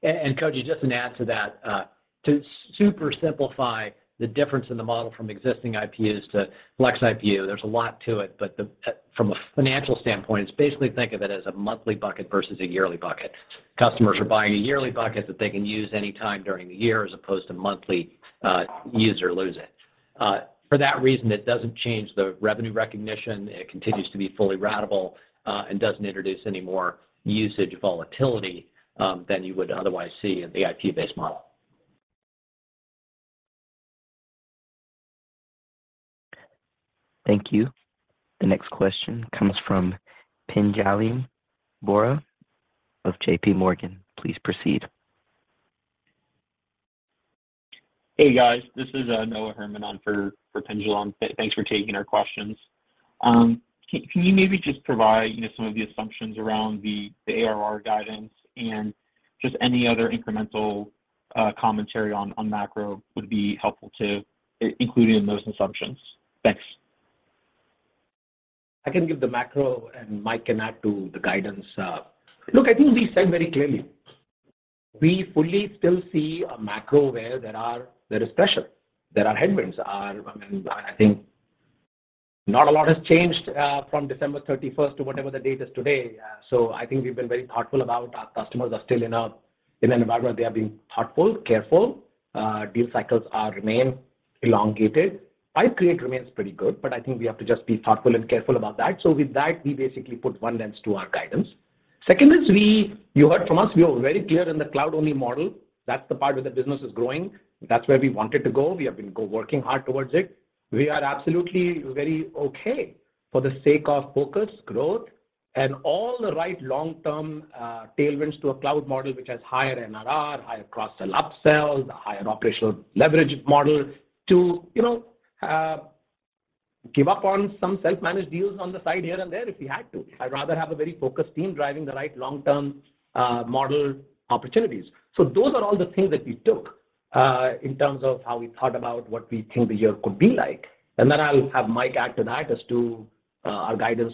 Koji, just to add to that, to super simplify the difference in the model from existing IPUs to Flex IPU, there's a lot to it, but the, from a financial standpoint, it's basically think of it as a monthly bucket versus a yearly bucket. Customers are buying a yearly bucket that they can use anytime during the year as opposed to monthly, use or lose it. For that reason, it doesn't change the revenue recognition, it continues to be fully ratable, and doesn't introduce any more usage volatility, than you would otherwise see in the IP-based model. Thank you. The next question comes from Pinjalim Bora of JPMorgan. Please proceed. Hey, guys. This is Noah Herman on for Pinjalim. Thanks for taking our questions. Can you maybe just provide, you know, some of the assumptions around the ARR guidance and just any other incremental commentary on macro would be helpful too, including those assumptions. Thanks. I can give the macro, and Mike can add to the guidance. Look, I think we said very clearly, we fully still see a macro where there is pressure, there are headwinds. I mean, I think not a lot has changed from December thirty-first to whatever the date is today. I think we've been very thoughtful about our customers are still in an environment where they are being thoughtful, careful. Deal cycles are remain elongated. Pipe create remains pretty good, but I think we have to just be thoughtful and careful about that. With that, we basically put one lens to our guidance. Second is you heard from us, we are very clear in the cloud-only model. That's the part where the business is growing. That's where we wanted to go. We have been working hard towards it. We are absolutely very okay for the sake of focus, growth, and all the right long-term tailwinds to a cloud model, which has higher MRR, higher cross-sell, up-sells, higher operational leverage model to, you know, give up on some self-managed deals on the side here and there if we had to. I'd rather have a very focused team driving the right long-term model opportunities. Those are all the things that we took in terms of how we thought about what we think the year could be like. Then I'll have Mike act, and I just do our guidance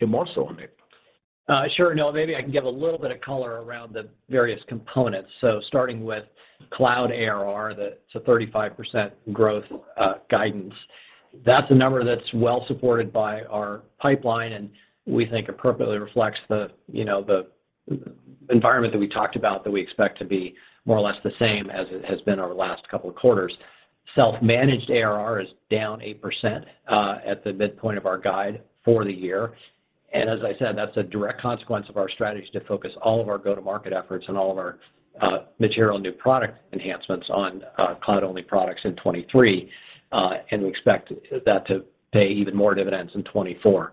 in more so on it. Sure, Noah. Maybe I can give a little bit of color around the various components. Starting with cloud ARR, it's a 35% growth guidance. That's a number that's well supported by our pipeline, and we think appropriately reflects the, you know, environment that we talked about that we expect to be more or less the same as it has been over the last couple of quarters. Self-managed ARR is down 8% at the midpoint of our guide for the year. As I said, that's a direct consequence of our strategy to focus all of our go-to-market efforts and all of our material new product enhancements on cloud-only products in 2023. We expect that to pay even more dividends in 2024.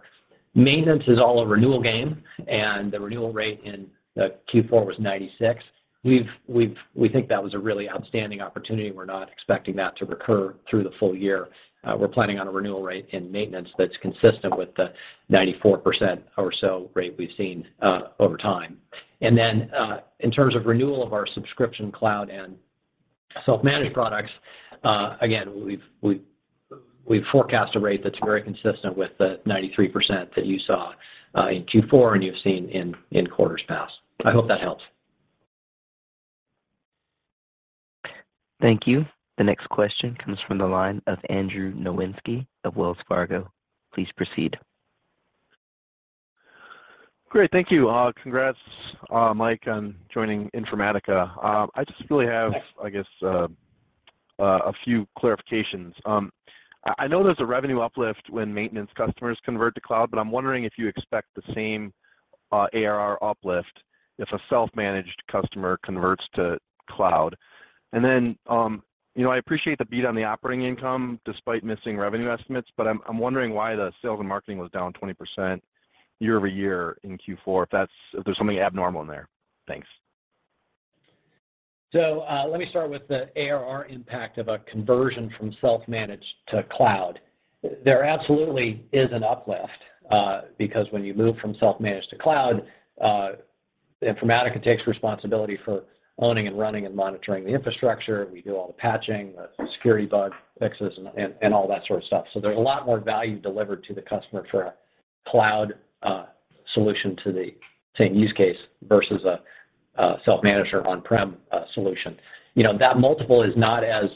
Maintenance is all a renewal game, the renewal rate in Q4 was 96%. We think that was a really outstanding opportunity, and we're not expecting that to recur through the full year. We're planning on a renewal rate in maintenance that's consistent with the 94% or so rate we've seen over time. In terms of renewal of our subscription cloud and self-managed products, again, we've forecast a rate that's very consistent with the 93% that you saw in Q4 and you've seen in quarters past. I hope that helps. Thank you. The next question comes from the line of Andrew Nowinski of Wells Fargo. Please proceed. Great. Thank you. Congrats, Mike, on joining Informatica. I just really have. Thanks. I guess, a few clarifications. I know there's a revenue uplift when maintenance customers convert to cloud, but I'm wondering if you expect the same ARR uplift if a self-managed customer converts to cloud. Then, you know, I appreciate the beat on the operating income despite missing revenue estimates, but I'm wondering why the sales and marketing was down 20% year-over-year in Q4, if there's something abnormal in there. Thanks. Let me start with the ARR impact of a conversion from self-managed to cloud. There absolutely is an uplift because when you move from self-managed to cloud, Informatica takes responsibility for owning and running and monitoring the infrastructure. We do all the patching, the security bug fixes and all that sort of stuff. There's a lot more value delivered to the customer for a cloud solution to the same use case versus a self-manager on-prem solution. You know, that multiple is not as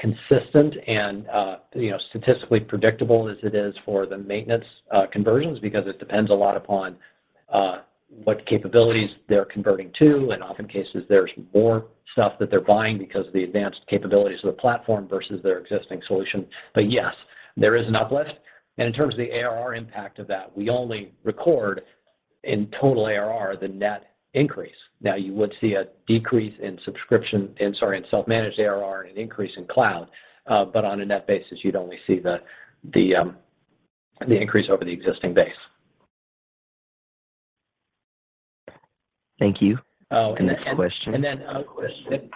consistent and, you know, statistically predictable as it is for the maintenance conversions because it depends a lot upon what capabilities they're converting to, and often cases there's more stuff that they're buying because of the advanced capabilities of the platform versus their existing solution. Yes, there is an uplift. In terms of the ARR impact of that, we only record in total ARR the net increase. You would see a decrease in self-managed ARR and an increase in cloud. On a net basis, you'd only see the increase over the existing base. Thank you. Oh. Next question. And then.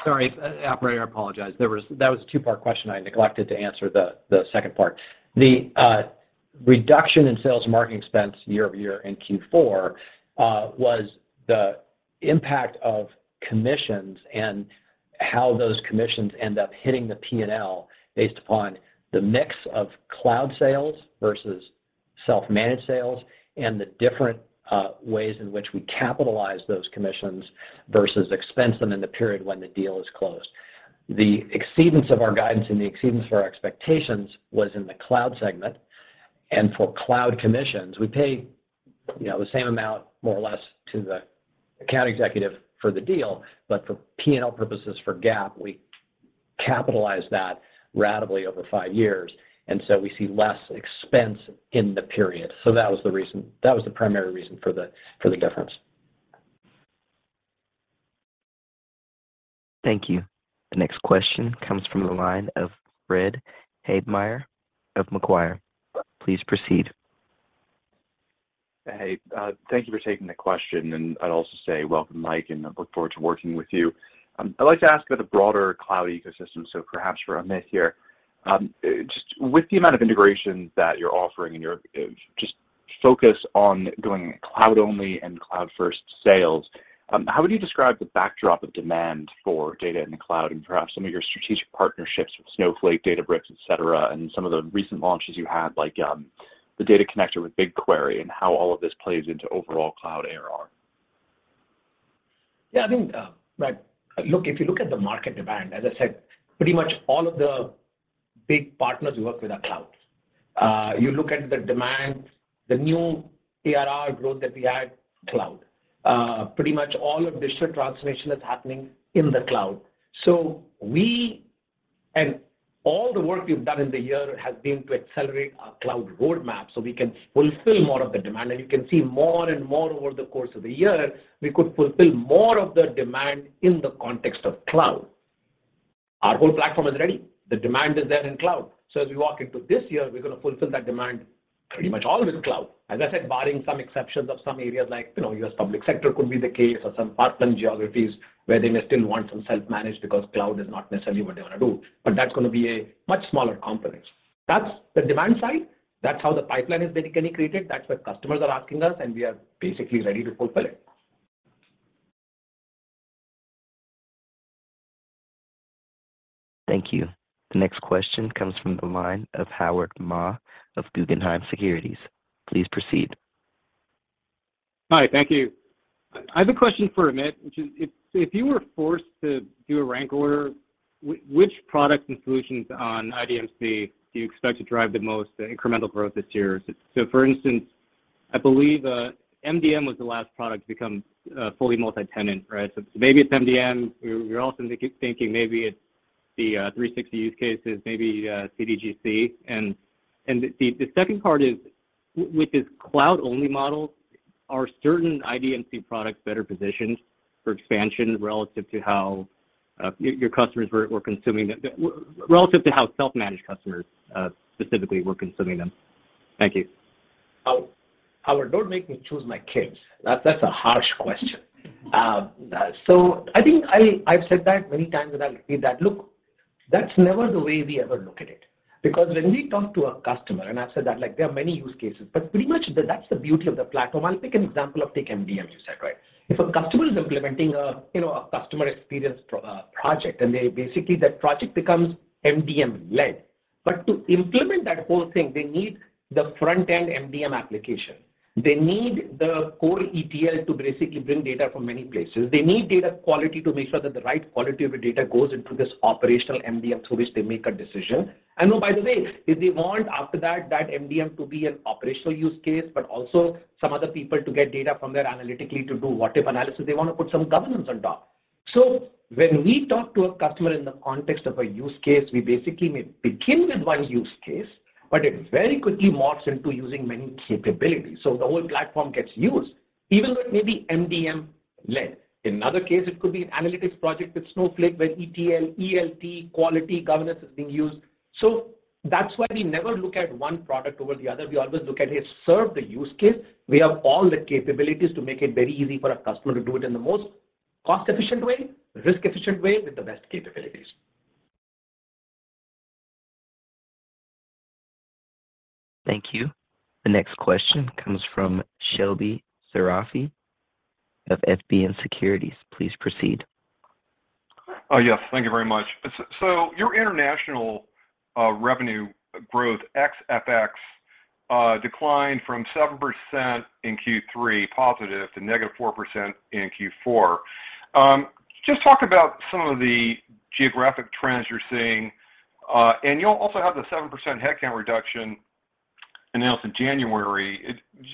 Sorry, operator, I apologize. That was a 2-part question. I neglected to answer the second part. The reduction in sales and marketing expense year-over-year in Q4 was the impact of commissions and how those commissions end up hitting the P&L based upon the mix of cloud sales versus self-managed sales and the different ways in which we capitalize those commissions versus expense them in the period when the deal is closed. The exceedance of our guidance and the exceedance of our expectations was in the cloud segment. For cloud commissions, we pay, you know, the same amount more or less to the account executive for the deal. For P&L purposes for GAAP, we capitalize that ratably over 5 years, and so we see less expense in the period. That was the primary reason for the difference. Thank you. The next question comes from the line of Fred Havemeyer of Macquarie. Please proceed. Hey, thank you for taking the question, and I'd also say welcome, Mike McLaughlin, and I look forward to working with you. I'd like to ask about the broader cloud ecosystem, perhaps for Amit Walia here. Just with the amount of integration that you're offering and your just focus on doing cloud-only and cloud-first sales, how would you describe the backdrop of demand for data in the cloud and perhaps some of your strategic partnerships with Snowflake, Databricks, et cetera, and some of the recent launches you had, like, the data connector with BigQuery and how all of this plays into overall cloud ARR? Yeah, I think, look, if you look at the market demand, as I said, pretty much all of the big partners we work with are clouds. You look at the demand, the new ARR growth that we had, cloud. Pretty much all of digital transformation is happening in the cloud. We and all the work we've done in the year has been to accelerate our cloud roadmap, so we can fulfill more of the demand. You can see more and more over the course of the year, we could fulfill more of the demand in the context of cloud. Our whole platform is ready. The demand is there in cloud. As we walk into this year, we're going to fulfill that demand pretty much all with cloud. As I said, barring some exceptions of some areas like, you know, U.S. public sector could be the case or some partner geographies where they may still want some self-managed because cloud is not necessarily what they want to do. That's going to be a much smaller component. That's the demand side. That's how the pipeline is basically created. That's what customers are asking us, and we are basically ready to fulfill it. Thank you. The next question comes from the line of Howard Ma of Guggenheim Securities. Please proceed. Hi, thank you. I have a question for Amit, which is if you were forced to do a rank order, which products and solutions on IDMC do you expect to drive the most incremental growth this year? For instance, I believe MDM was the last product to become fully multi-tenant, right? Maybe it's MDM. We're also thinking maybe it's the 360 use cases, maybe CDGC. The second part is, with this cloud-only model, are certain IDMC products better positioned for expansion relative to how your customers were consuming them, relative to how self-managed customers specifically were consuming them? Thank you. Howard, don't make me choose my kids. That's a harsh question. I think I've said that many times, and I'll repeat that. Look, that's never the way we ever look at it. When we talk to a customer, and I've said that, like, there are many use cases, but pretty much that's the beauty of the platform. I'll take an example of, take MDM, you said, right? If a customer is implementing a, you know, a customer experience project, and they basically that project becomes MDM led. To implement that whole thing, they need the front-end MDM application. They need the core ETL to basically bring data from many places. They need data quality to make sure that the right quality of data goes into this operational MDM through which they make a decision. Oh, by the way, if they want after that MDM to be an operational use case, but also some other people to get data from there analytically to do what-if analysis, they want to put some governance on top. When we talk to a customer in the context of a use case, we basically may begin with one use case, but it very quickly morphs into using many capabilities. The whole platform gets used even though it may be MDM led. In another case, it could be an analytics project with Snowflake, where ETL, ELT, quality governance is being used. That's why we never look at one product over the other. We always look at it, serve the use case. We have all the capabilities to make it very easy for a customer to do it in the most cost-efficient way, risk-efficient way, with the best capabilities. Thank you. The next question comes from Shebly Seyrafi of FBN Securities. Please proceed. Yes. Thank you very much. Your international revenue growth ex FX declined from 7% in Q3 positive to negative 4% in Q4. Just talk about some of the geographic trends you're seeing. You'll also have the 7% headcount reduction announced in January.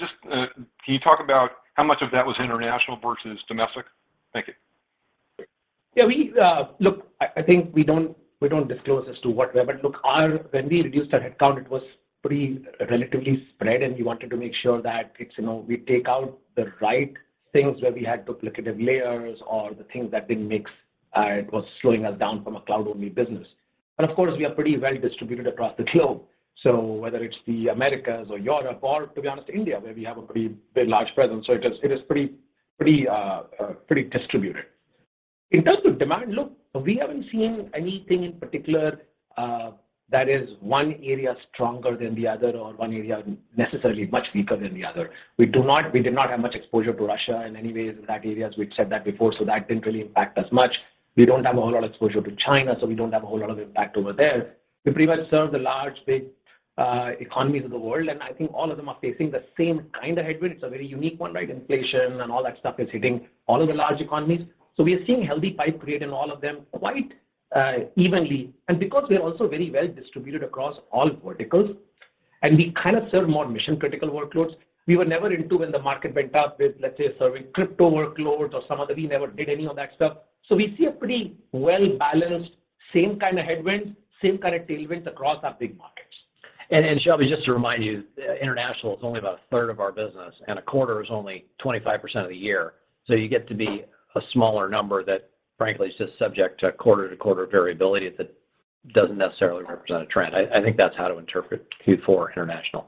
Just, can you talk about how much of that was international versus domestic? Thank you. Yeah, we, look, I think we don't, we don't disclose as to what. Look, when we reduced our headcount, it was pretty relatively spread, and we wanted to make sure that it's, you know, we take out the right things where we had duplicative layers or the things that didn't mix. It was slowing us down from a cloud-only business. Of course, we are pretty well distributed across the globe. Whether it's the Americas or Europe or, to be honest, India, where we have a pretty large presence. It is, it is pretty, pretty distributed. In terms of demand, look, we haven't seen anything in particular that is one area stronger than the other or one area necessarily much weaker than the other. We did not have much exposure to Russia in any way in that area, as we've said that before, so that didn't really impact us much. We don't have a whole lot of exposure to China, so we don't have a whole lot of impact over there. We pretty much serve the large economies of the world, and I think all of them are facing the same kind of headwinds, a very unique one, right? Inflation and all that stuff is hitting all of the large economies. We are seeing healthy pipe create in all of them quite evenly. Because we are also very well distributed across all verticals, and we kind of serve more mission-critical workloads, we were never into when the market went up with, let's say, serving crypto workloads or some other, we never did any of that stuff. We see a pretty well-balanced, same kind of headwinds, same kind of tailwinds across our big markets. Shebly, just to remind you, international is only about a third of our business, and a quarter is only 25% of the year. You get to be a smaller number that frankly is just subject to quarter-to-quarter variability that doesn't necessarily represent a trend. I think that's how to interpret Q4 international.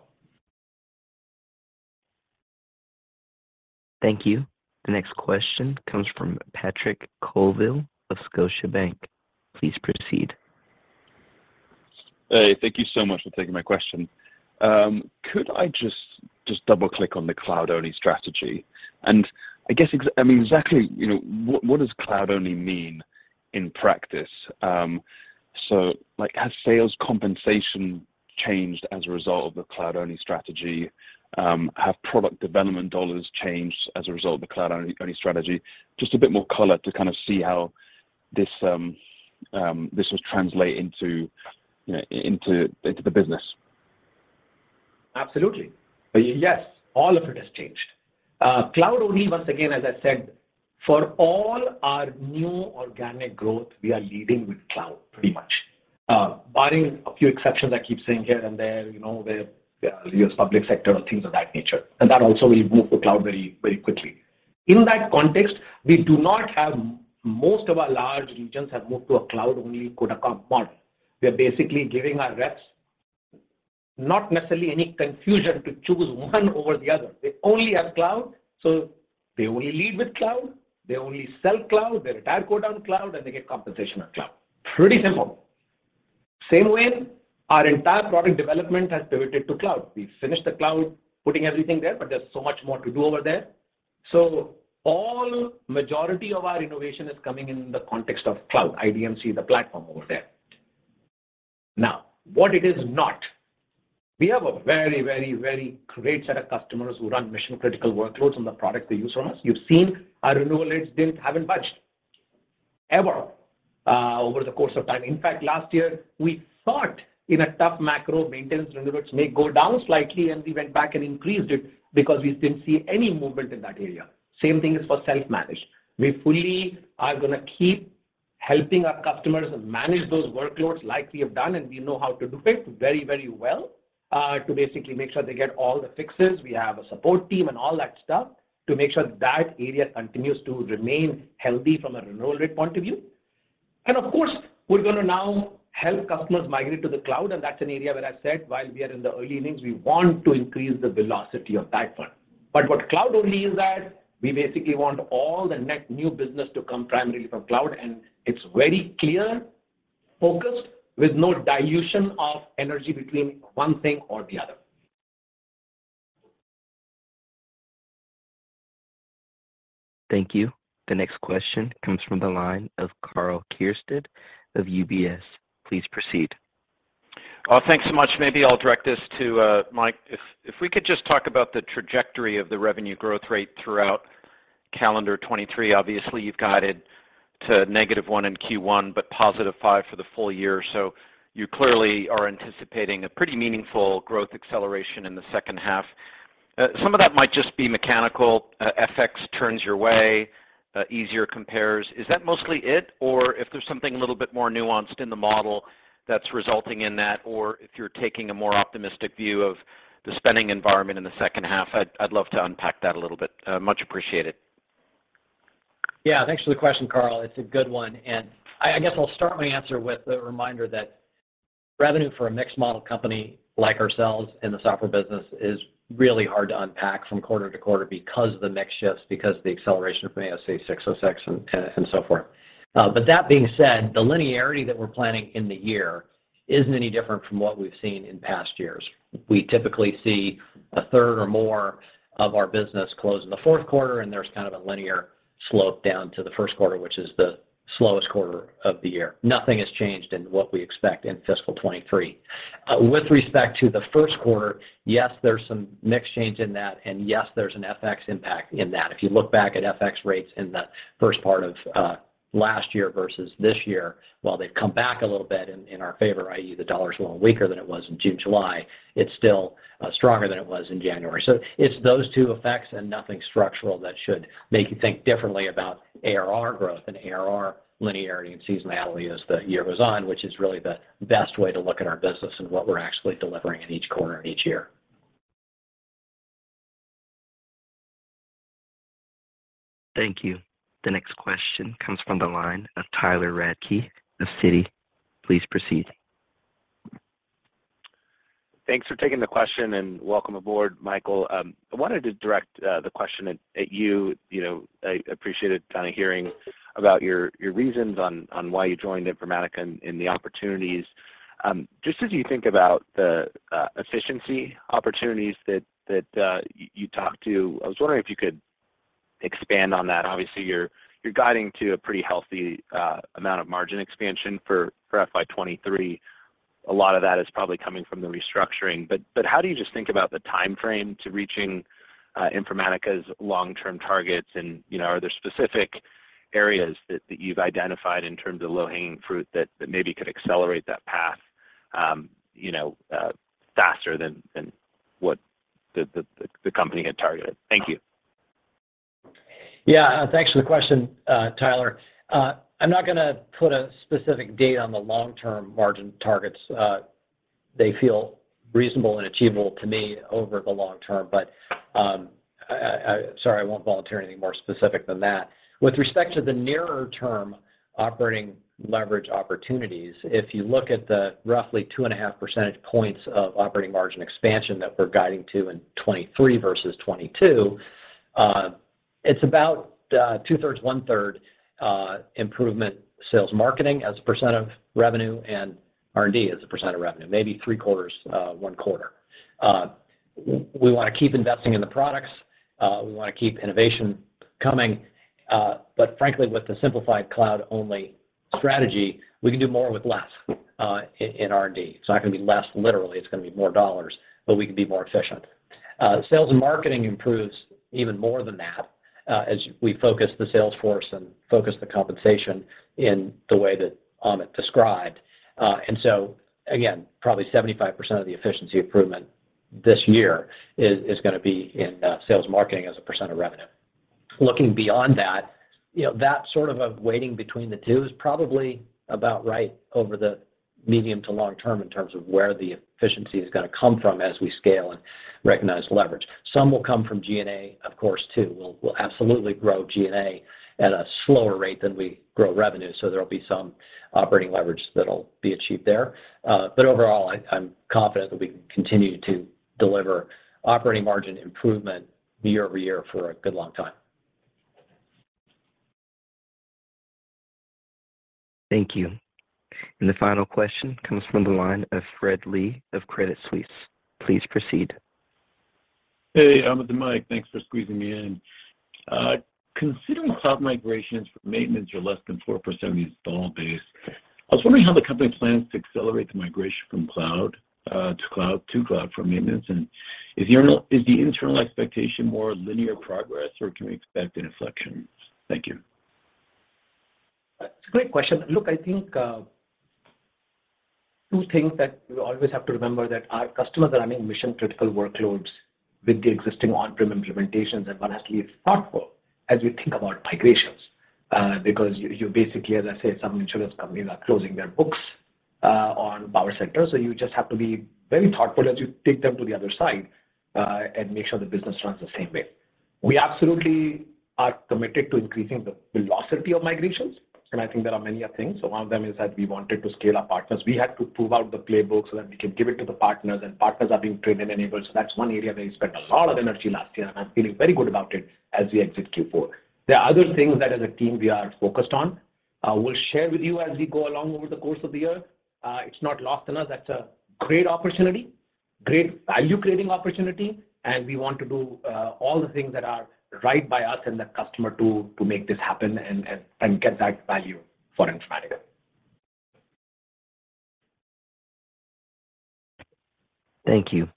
Thank you. The next question comes from Patrick Colville of Scotiabank. Please proceed. Hey, thank you so much for taking my question. Could I just double-click on the cloud-only strategy? I guess I mean, exactly, you know, what does cloud-only mean in practice? Like, has sales compensation changed as a result of the cloud-only strategy? Have product development dollars changed as a result of the cloud-only strategy? Just a bit more color to kind of see how this was translate into the business. Absolutely. Yes, all of it has changed. cloud-only, once again, as I said, for all our new organic growth, we are leading with cloud pretty much. barring a few exceptions I keep seeing here and there, you know, where U.S. public sector or things of that nature. That also will move to cloud very, very quickly. In that context, we do not have. Most of our large regions have moved to a cloud-only quota comp model. We are basically giving our reps not necessarily any confusion to choose one over the other. They only have cloud, so they only lead with cloud, they only sell cloud, their entire quota on cloud, and they get compensation on cloud. Pretty simple. Same way our entire product development has pivoted to cloud. We've finished the cloud, putting everything there, but there's so much more to do over there. All majority of our innovation is coming in the context of cloud, IDMC, the platform over there. Now, what it is not, we have a very, very, very great set of customers who run mission-critical workloads on the product they use from us. You've seen our renewal rates bills haven't budged ever over the course of time. In fact, last year we thought in a tough macro maintenance renewals may go down slightly, and we went back and increased it because we didn't see any movement in that area. Same thing is for self-managed. We fully are gonna keep helping our customers manage those workloads like we have done, and we know how to do it very, very well to basically make sure they get all the fixes. We have a support team and all that stuff to make sure that area continues to remain healthy from a renewal rate point of view. Of course, we're gonna now help customers migrate to the cloud, and that's an area where I said while we are in the early innings, we want to increase the velocity of that one. What cloud-only is that we basically want all the net new business to come primarily from cloud, and it's very clear, focused, with no dilution of energy between one thing or the other. Thank you. The next question comes from the line of Karl Keirstead of UBS. Please proceed. Thanks so much. Maybe I'll direct this to Mike. If we could just talk about the trajectory of the revenue growth rate throughout calendar 2023. Obviously, you've guided to -1% in Q1, but +5% for the full year. You clearly are anticipating a pretty meaningful growth acceleration in the second half. Some of that might just be mechanical, FX turns your way, easier compares. Is that mostly it? Or if there's something a little bit more nuanced in the model that's resulting in that, or if you're taking a more optimistic view of the spending environment in the second half, I'd love to unpack that a little bit. Much appreciated. Yeah. Thanks for the question, Karl. It's a good one. I guess I'll start my answer with a reminder that revenue for a mixed model company like ourselves in the software business is really hard to unpack from quarter to quarter because the mix shifts, because the acceleration from ASC 606 and so forth. That being said, the linearity that we're planning in the year isn't any different from what we've seen in past years. We typically see a third or more of our business close in the fourth quarter, and there's kind of a linear slope down to the first quarter, which is the slowest quarter of the year. Nothing has changed in what we expect in fiscal 2023. With respect to the first quarter, yes, there's some mix change in that, and yes, there's an FX impact in that. If you look back at FX rates in the first part of last year versus this year, while they've come back a little bit in our favor, i.e., the dollar's a little weaker than it was in June, July, it's still stronger than it was in January. It's those two effects and nothing structural that should make you think differently about ARR growth and ARR linearity and seasonality as the year goes on, which is really the best way to look at our business and what we're actually delivering in each quarter and each year. Thank you. The next question comes from the line of Tyler Radke of Citi. Please proceed. Thanks for taking the question. Welcome aboard, Michael. I wanted to direct the question at you. You know, I appreciated kind of hearing about your reasons on why you joined Informatica and the opportunities. Just as you think about the efficiency opportunities that you talked to, I was wondering if you could expand on that. Obviously, you're guiding to a pretty healthy amount of margin expansion for FY 2023. A lot of that is probably coming from the restructuring. How do you just think about the timeframe to reaching Informatica's long-term targets? You know, are there specific areas that you've identified in terms of low-hanging fruit that maybe could accelerate that path, you know, faster than what the company had targeted? Thank you. Thanks for the question, Tyler. I'm not gonna put a specific date on the long-term margin targets. They feel reasonable and achievable to me over the long term, but I, sorry, I won't volunteer anything more specific than that. With respect to the nearer term operating leverage opportunities, if you look at the roughly 2.5 percentage points of operating margin expansion that we're guiding to in 2023 versus 2022, it's about 2/3, 1/3 improvement sales marketing as a % of revenue and R&D as a % of revenue, maybe 3/4, 1/4. We wanna keep investing in the products, we wanna keep innovation coming, but frankly, with the simplified cloud-only strategy, we can do more with less in R&D. It's not gonna be less literally, it's gonna be more dollars, but we can be more efficient. Sales and marketing improves even more than that, as we focus the sales force and focus the compensation in the way that Amit described. Again, probably 75% of the efficiency improvement this year is gonna be in sales marketing as a percent of revenue. Looking beyond that, you know, that sort of a weighting between the two is probably about right over the medium to long term in terms of where the efficiency is gonna come from as we scale and recognize leverage. Some will come from G&A, of course, too. We'll absolutely grow G&A at a slower rate than we grow revenue, so there'll be some operating leverage that'll be achieved there. Overall, I'm confident that we can continue to deliver operating margin improvement year-over-year for a good long time. Thank you. The final question comes from the line of Fred Lee of Credit Suisse. Please proceed. Hey, Amit and Mike, thanks for squeezing me in. Considering cloud migrations for maintenance are less than 4% of the install base, I was wondering how the company plans to accelerate the migration from cloud to cloud for maintenance. Is the internal expectation more linear progress, or can we expect an inflection? Thank you. It's a great question. Look, I think, two things that we always have to remember that our customers are running mission-critical workloads with the existing on-prem implementations, and one has to be thoughtful as we think about migrations, because you basically, as I said, some insurance companies are closing their books, on Power Center. You just have to be very thoughtful as you take them to the other side, and make sure the business runs the same way. We absolutely are committed to increasing the velocity of migrations, and I think there are many a thing. One of them is that we wanted to scale our partners. We had to prove out the playbook so that we can give it to the partners, and partners are being trained and enabled. That's one area where we spent a lot of energy last year, and I'm feeling very good about it as we exit Q4. There are other things that as a team we are focused on. We'll share with you as we go along over the course of the year. It's not lost on us. That's a great opportunity, great value-creating opportunity, and we want to do all the things that are right by us and the customer to make this happen and get that value for Informatica. Thank you.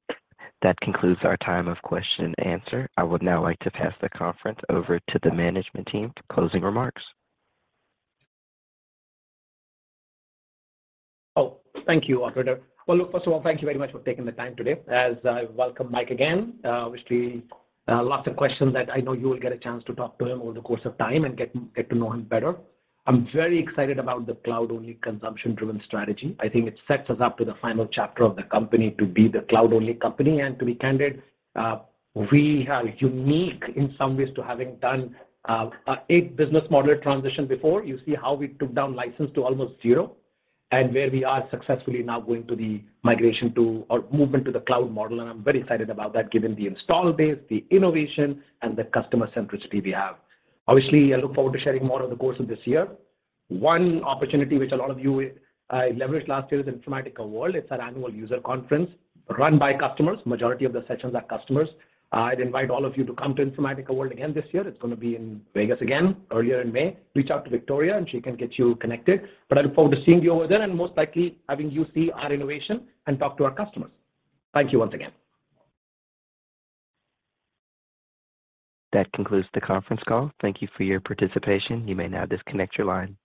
That concludes our time of question-and-answer. I would now like to pass the conference over to the management team for closing remarks. Oh, thank you, operator. Well, look, first of all, thank you very much for taking the time today. As I welcome Mike again, obviously, lots of questions that I know you will get a chance to talk to him over the course of time and get to know him better. I'm very excited about the cloud-only consumption-driven strategy. I think it sets us up to the final chapter of the company to be the cloud-only company. To be candid, we are unique in some ways to having done a big business model transition before. You see how we took down license to almost zero, and where we are successfully now going to the migration to or movement to the cloud model, and I'm very excited about that given the install base, the innovation, and the customer centricity we have. Obviously, I look forward to sharing more over the course of this year. One opportunity which a lot of you leveraged last year is Informatica World. It's our annual user conference run by customers. Majority of the sessions are customers. I'd invite all of you to come to Informatica World again this year. It's gonna be in Vegas again, earlier in May. Reach out to Victoria, she can get you connected. I look forward to seeing you over there, and most likely, having you see our innovation and talk to our customers. Thank you once again. That concludes the conference call. Thank you for your participation. You may now disconnect your line.